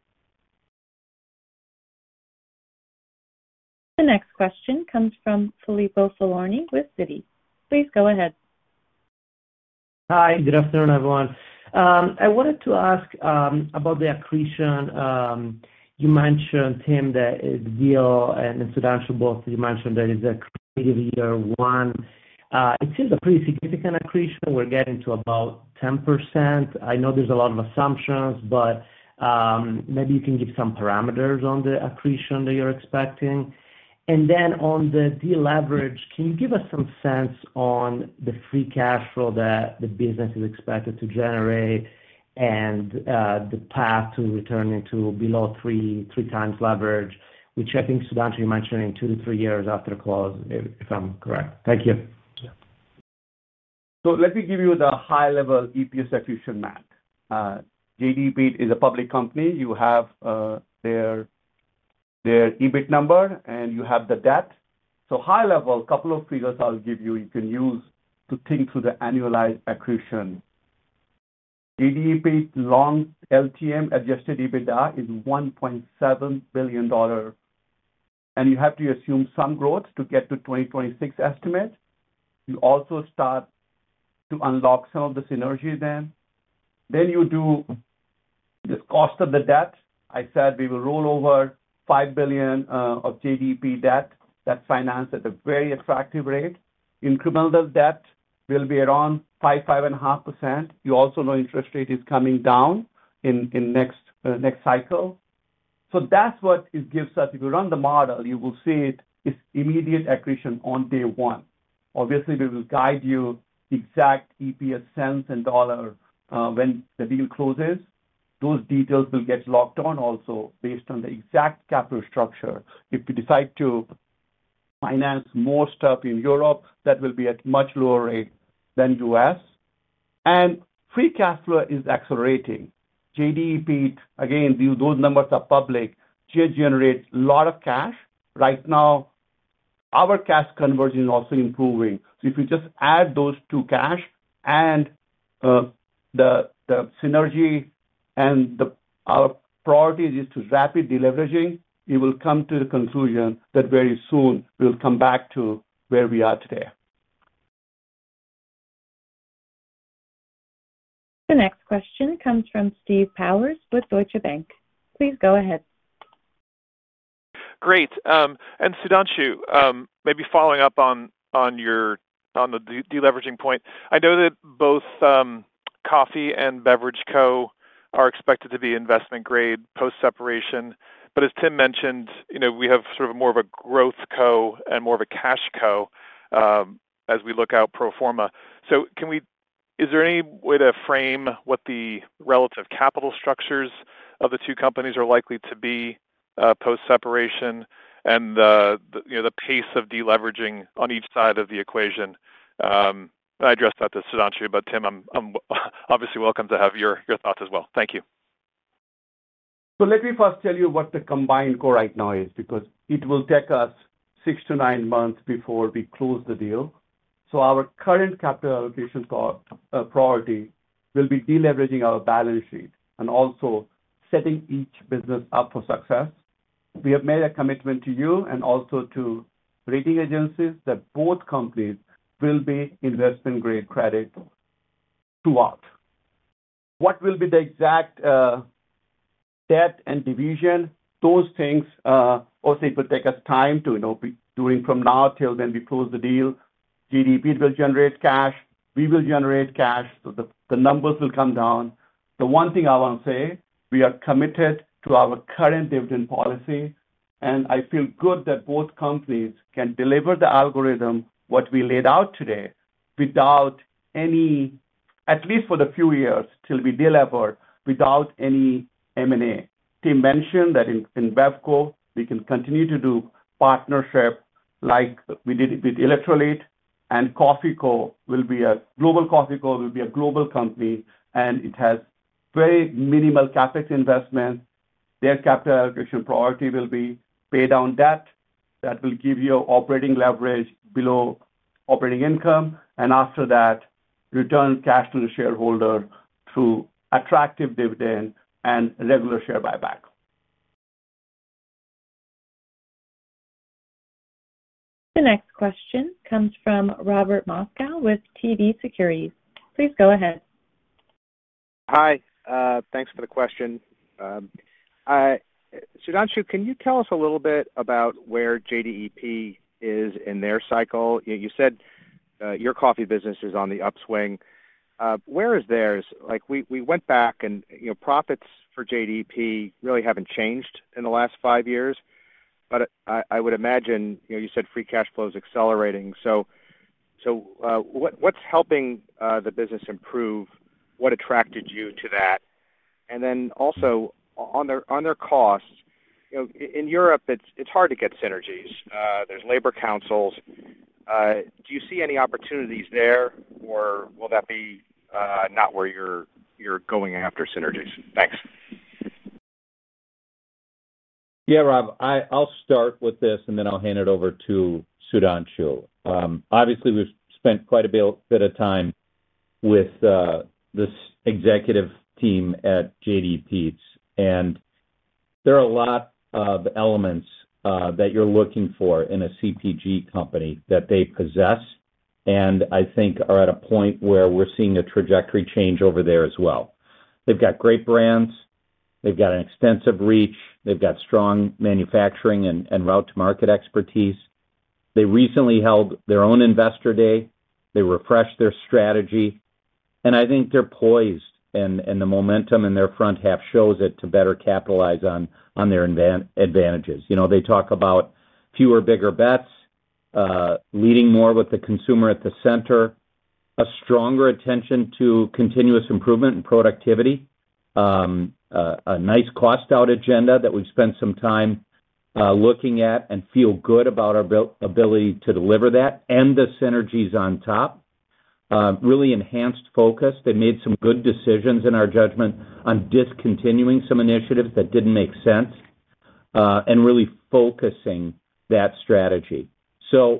The next question comes from Filippo Falorni with Citi. Please go ahead. Hi, good afternoon, everyone. I wanted to ask about the accretion. You mentioned, Tim, that the deal and Sudhanshu both, you mentioned that it's a year one. It seems a pretty significant accretion. We're getting to about 10%. I know there's a lot of assumptions, but maybe you can give some parameters on the accretion that you're expecting. On the deleverage, can you give us some sense on the free cash flow that the business is expected to generate and the path to returning to below three times leverage, which I think Sudhanshu mentioned in two to three years after close, if I'm correct. Thank you. Let me give you the high-level EPS accretion math. JDE Peet's is a public company. You have their EBIT number, and you have the debt. High level, a couple of figures I'll give you you can use to think through the annualized accretion. JDE Peet's long LTM adjusted EBITDA is $1.7 billion, and you have to assume some growth to get to 2026 estimates. You also start to unlock some of the synergy then. You do the cost of the debt. I said we will roll over $5 billion of JDE Peet's debt that finance at a very attractive rate. Incremental debt will be around 5%, 5.5%. You also know interest rate is coming down in the next cycle. That is what it gives us. If you run the model, you will see it is immediate accretion on day one. Obviously, we will guide you exact EPS sense and dollar when the deal closes. Those details will get locked on also based on the exact capital structure. If you decide to finance more stuff in Europe, that will be at a much lower rate than the U.S. Free cash flow is accelerating. JDE Peet's, again, those numbers are public. Generates a lot of cash. Right now, our cash conversion is also improving. If you just add those two cash and the synergy and our priorities are to rapid deleveraging, you will come to the conclusion that very soon we'll come back to where we are today. The next question comes from Steve Powers with Deutsche Bank. Please go ahead. Great. Sudhanshu, maybe following up on your deleveraging point. I know that both Coffee and Beverage Co. are expected to be investment-grade post-separation. As Tim mentioned, we have sort of more of a growth Co. and more of a cash Co. as we look out pro forma. Can we, is there any way to frame what the relative capital structures of the two companies are likely to be post-separation and the pace of deleveraging on each side of the equation? I addressed that to Sudhanshu, but Tim, I'm obviously welcome to have your thoughts as well. Thank you. Let me first tell you what the combined company right now is because it will take us six to nine months before we close the deal. Our current capital allocation priority will be deleveraging our balance sheet and also setting each business up for success. We have made a commitment to you and also to rating agencies that both companies will be investment-grade credit throughout. What will be the exact debt and division, those things, obviously it will take us time to know from now till when we close the deal. JDE Peete's will generate cash. We will generate cash. The numbers will come down. The one thing I want to say, we are committed to our current dividend policy, and I feel good that both companies can deliver the algorithm what we laid out today without any, at least for the few years till we deliver, without any M&A. Tim mentioned that in Bev Co., we can continue to do partnership like we did with Electrolit, and Coffee Co. will be a global company, and it has very minimal CapEx investments. Their capital allocation priority will be pay down debt. That will give you operating leverage below operating income, and after that, return cash to the shareholder through attractive dividend and regular share buyback. The next question comes from Robert Moskow with TD Cowen. Please go ahead. Hi, thanks for the question. Sudhanshu, can you tell us a little bit about where JDE Peet's is in their cycle? You said your coffee business is on the upswing. Where is theirs? Like we went back and you know profits for JDE Peet's really haven't changed in the last five years, but I would imagine you know you said free cash flow is accelerating. What's helping the business improve? What attracted you to that? Also, on their costs, you know in Europe, it's hard to get synergies. There are labor councils. Do you see any opportunities there, or will that be not where you're going after synergies? Thanks. Yeah, Rob, I'll start with this and then I'll hand it over to Sudhanshu. Obviously, we've spent quite a bit of time with this executive team at JDE Peet's, and there are a lot of elements that you're looking for in a CPG company that they possess and I think are at a point where we're seeing a trajectory change over there as well. They've got great brands. They've got an extensive reach. They've got strong manufacturing and route-to-market expertise. They recently held their own investor day. They refreshed their strategy. I think they're poised, and the momentum in their front half shows it, to better capitalize on their advantages. You know, they talk about fewer, bigger bets, leading more with the consumer at the center, a stronger attention to continuous improvement and productivity, a nice cost-out agenda that we've spent some time looking at and feel good about our ability to deliver that, and the synergies on top. Really enhanced focus. They made some good decisions in our judgment on discontinuing some initiatives that didn't make sense and really focusing that strategy.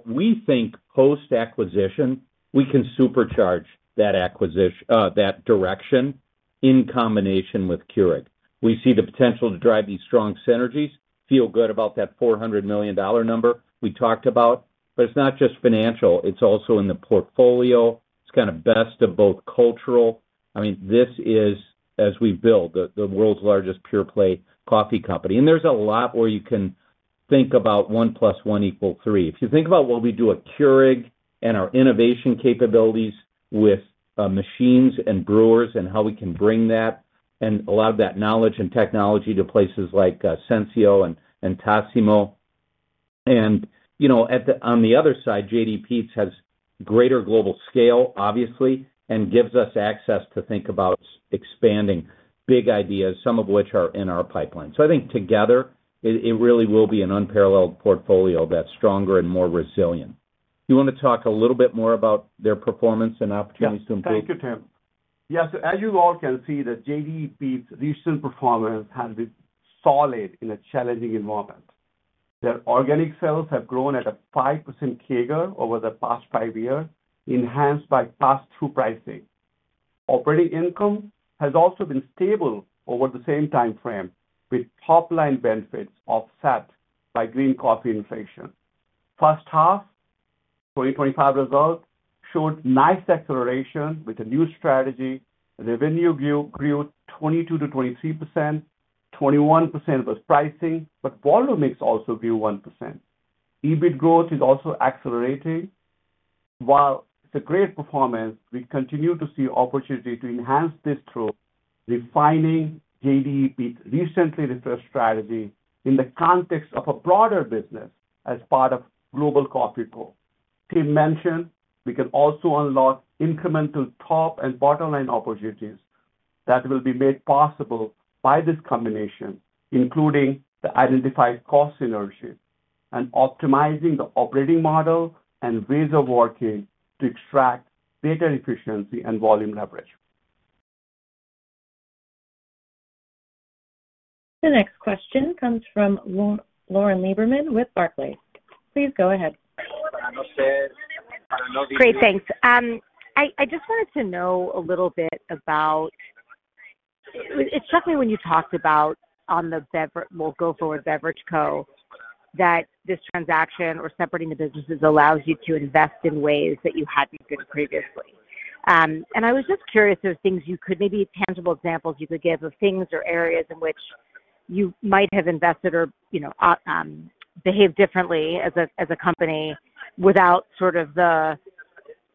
We think post-acquisition, we can supercharge that acquisition, that direction in combination with Keurig. We see the potential to drive these strong synergies, feel good about that $400 million number we talked about, but it's not just financial. It's also in the portfolio. It's kind of best of both cultural. I mean, this is, as we build, the world's largest pure play coffee company. There's a lot where you can think about 1 + 1 = 3. If you think about what we do at Keurig and our innovation capabilities with machines and brewers and how we can bring that and a lot of that knowledge and technology to places like SENSEO and TASSIMO. You know, on the other side, JDE Peet's has greater global scale, obviously, and gives us access to think about expanding big ideas, some of which are in our pipeline. I think together, it really will be an unparalleled portfolio that's stronger and more resilient. You want to talk a little bit more about their performance and opportunities to improve? Thank you, Tim. As you all can see, JDE Peet's recent performance has been solid in a challenging environment. Their organic sales have grown at a 5% CAGR over the past five years, enhanced by pass-through pricing. Operating income has also been stable over the same timeframe, with top-line benefits offset by green coffee inflation. First half 2025 results showed nice acceleration with a new strategy. Revenue grew 22%-23%. 21% was pricing, but volume mix also grew 1%. EBIT growth is also accelerating. While it's a great performance, we continue to see opportunity to enhance this through refining JDE Peet's recently refreshed strategy in the context of a broader business as part of Global Coffee Co. Tim mentioned, we can also unlock incremental top and bottom-line opportunities that will be made possible by this combination, including the identified cost synergies and optimizing the operating model and ways of working to extract data efficiency and volume leverage. The next question comes from Lauren Lieberman with Barclays. Please go ahead. Great, thanks. I just wanted to know a little bit about, it struck me when you talked about on the, we'll go forward, Beverage Co. that this transaction or separating the businesses allows you to invest in ways that you hadn't been previously. I was just curious if there are things you could, maybe tangible examples you could give of things or areas in which you might have invested or, you know, behaved differently as a company without sort of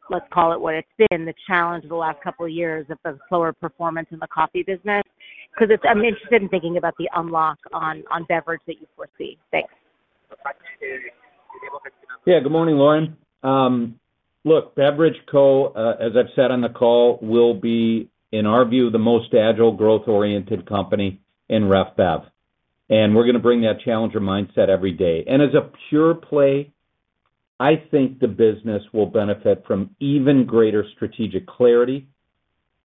the, let's call it what it's been, the challenge of the last couple of years of the slower performance in the coffee business. I'm interested in thinking about the unlock on beverage that you foresee. Thanks. Yeah, good morning, Lauren. Look, Beverage Co., as I've said on the call, will be, in our view, the most agile growth-oriented company in ref bev. We're going to bring that challenger mindset every day. As a pure play, I think the business will benefit from even greater strategic clarity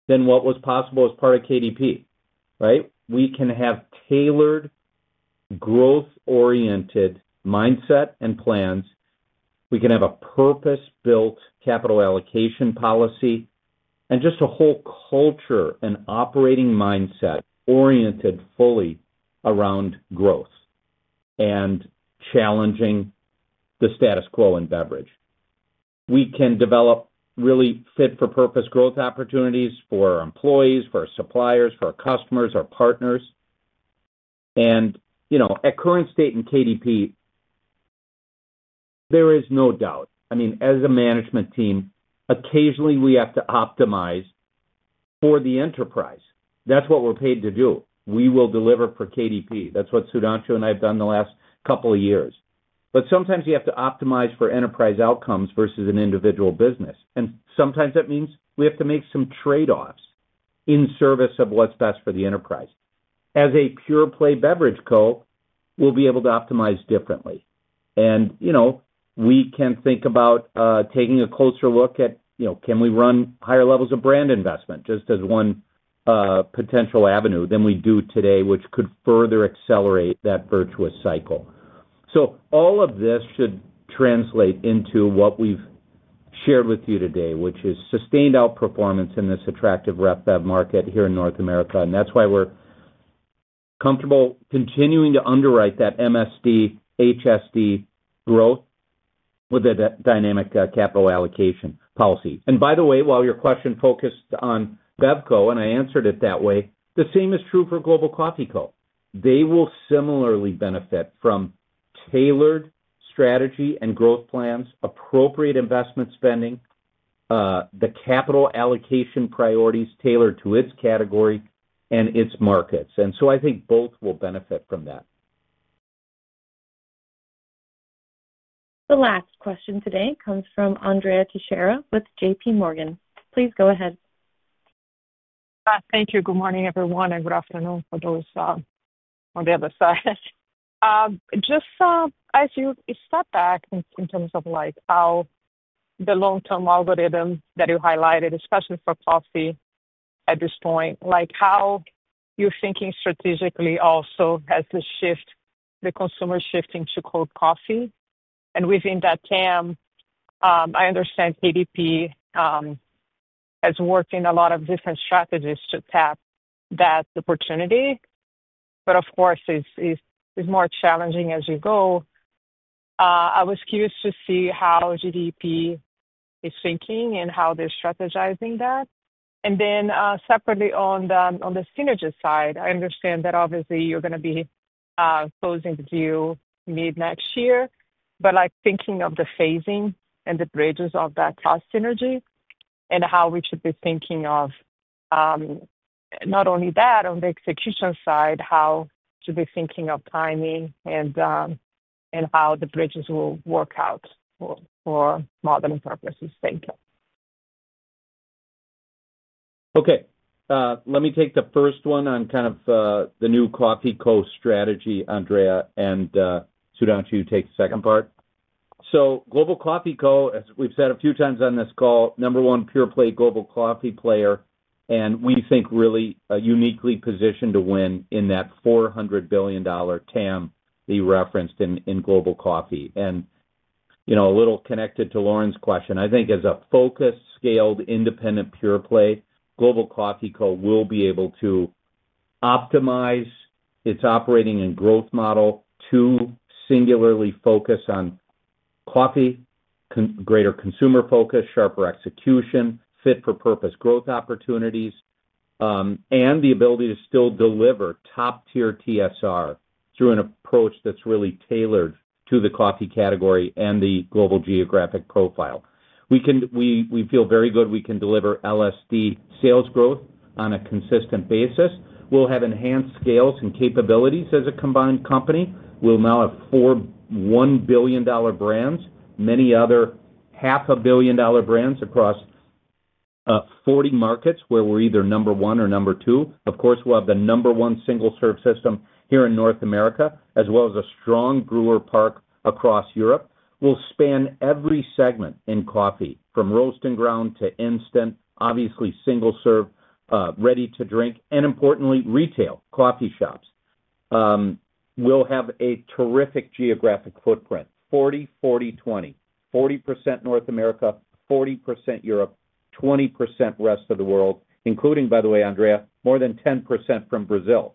than what was possible as part of KDP. Right? We can have tailored growth-oriented mindset and plans. We can have a purpose-built capital allocation policy and just a whole culture and operating mindset oriented fully around growth and challenging the status quo in beverage. We can develop really fit-for-purpose growth opportunities for our employees, for our suppliers, for our customers, our partners. At current state in KDP, there is no doubt. I mean, as a management team, occasionally we have to optimize for the enterprise. That's what we're paid to do. We will deliver per KDP. That's what Sudhanshu and I have done the last couple of years. Sometimes you have to optimize for enterprise outcomes versus an individual business. Sometimes that means we have to make some trade-offs in service of what's best for the enterprise. As a pure play Beverage Co., we'll be able to optimize differently. We can think about taking a closer look at, you know, can we run higher levels of brand investment just as one potential avenue? Than We do today, which could further accelerate that virtuous cycle. All of this should translate into what we've shared with you today, which is sustained outperformance in this attractive revenue market here in North America. That's why we're comfortable continuing to underwrite that MSD, HSD growth with a dynamic capital allocation policy. By the way, while your question focused on Bev Co. and I answered it that way, the same is true for Global Coffee Co. They will similarly benefit from tailored strategy and growth plans, appropriate investment spending, and capital allocation priorities tailored to its category and its markets. I think both will benefit from that. The last question today comes from Andrea Teixeira with JPMorgan. Please go ahead. Thank you. Good morning, everyone, and good afternoon for those on the other side. Just as you start to act in terms of how the long-term algorithm that you highlighted, especially for coffee at this point, how you're thinking strategically also has the shift, the consumer shifting to cold coffee. Within that time, I understand KDP has worked in a lot of different strategies to tap that opportunity. Of course, it's more challenging as you go. I was curious to see how JDE Peete's is thinking and how they're strategizing that. Separately, on the synergy side, I understand that obviously you're going to be closing the deal mid-next year. Thinking of the phasing and the bridges of that cost synergy and how we should be thinking of not only that, on the execution side, how to be thinking of timing and how the bridges will work out for modeling purposes. Thank you. Okay. Let me take the first one on kind of the new Coffee Co. strategy, Andrea, and Sudhanshu, you take the second part. So Global Coffee Co., as we've said a few times on this call, number one pure play global coffee player, and we think really uniquely positioned to win in that $400-billion TAM that you referenced in global coffee. A little connected to Lauren's question, I think as a focused, scaled, independent pure play, Global Coffee Co. will be able to optimize its operating and growth model to singularly focus on coffee, greater consumer focus, sharper execution, fit-for-purpose growth opportunities, and the ability to still deliver top-tier TSR through an approach that's really tailored to the coffee category and the global geographic profile. We feel very good we can deliver LSD sales growth on a consistent basis. We'll have enhanced scale and capabilities as a combined company. We'll now have four $1 billion brands, many other half a billion dollar brands across 40 markets where we're either number one or number two. Of course, we'll have the number one single-serve system here in North America, as well as a strong brewer park across Europe. We'll span every segment in coffee, from roast and ground to instant, obviously single-serve, ready to drink, and importantly, retail coffee shops. We'll have a terrific geographic footprint: 40/40/20, 40% North America, 40% Europe, 20% rest of world, including, by the way, Andrea, more than 10% from Brazil.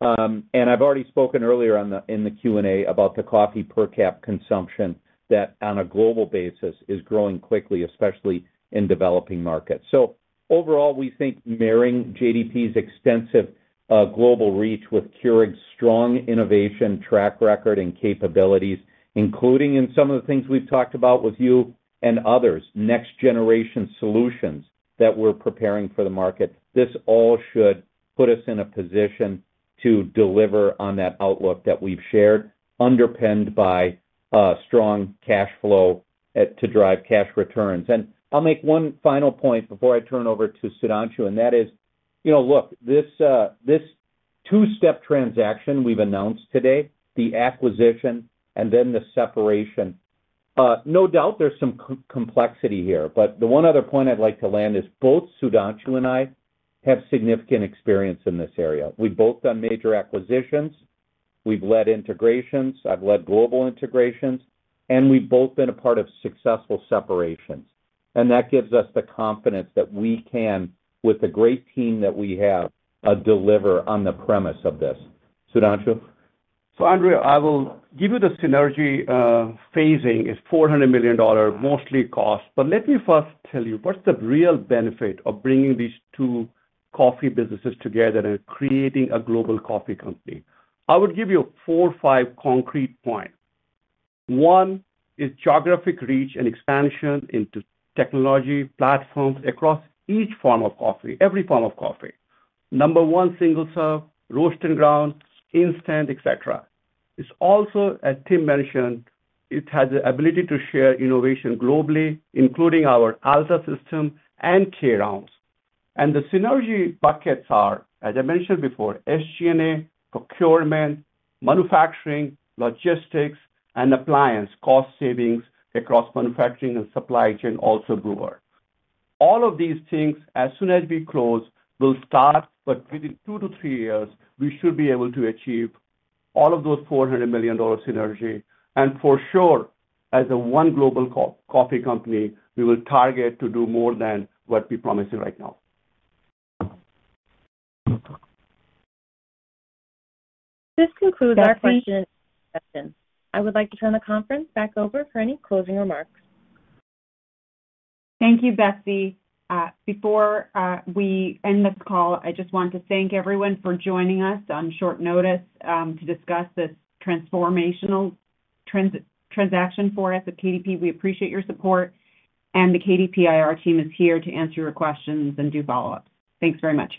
I've already spoken earlier in the Q&A about the coffee per cap consumption that on a global basis is growing quickly, especially in developing markets. Overall, we think marrying JDE Peet's extensive global reach with Keurig's strong innovation track record and capabilities, including in some of the things we've talked about with you and others, next-generation solutions that we're preparing for the market, this all should put us in a position to deliver on that outlook that we've shared, underpinned by a strong cash flow to drive cash returns. I'll make one final point before I turn over to Sudhanshu, and that is, this two-step transaction we've announced today, the acquisition and then the separation, no doubt there's some complexity here. The one other point I'd like to land is both Sudhanshu and I have significant experience in this area. We've both done major acquisitions. We've led integrations. I've led global integrations. We've both been a part of successful separations. That gives us the confidence that we can, with the great team that we have, deliver on the premise of this. Sudhanshu? Andrea, I will give you the synergy. Phasing is $400 million, mostly cost. Let me first tell you what's the real benefit of bringing these two coffee businesses together and creating a global coffee company. I would give you four or five concrete points. One is geographic reach and expansion into technology platforms across each form of coffee, every form of coffee. Number one, single-serve, roasting ground, instant, et cetera. It's also, as Tim mentioned, it has the ability to share innovation globally, including our ALTA system and K-Rounds. The synergy buckets are, as I mentioned before, SG&A, procurement, manufacturing, logistics, and appliance cost savings across manufacturing and supply chain, also brewer. All of these things, as soon as we close, will start, but within two to three years, we should be able to achieve all of those $400 million synergy. For sure, as one global coffee company, we will target to do more than what we're promising right now. This concludes our question session. I would like to turn the conference back over for any closing remarks. Thank you, Bessie. Before we end this call, I just want to thank everyone for joining us on short notice to discuss this transformational transaction for us at KDP. We appreciate your support. The KDP IR team is here to answer your questions and do follow-ups. Thanks very much.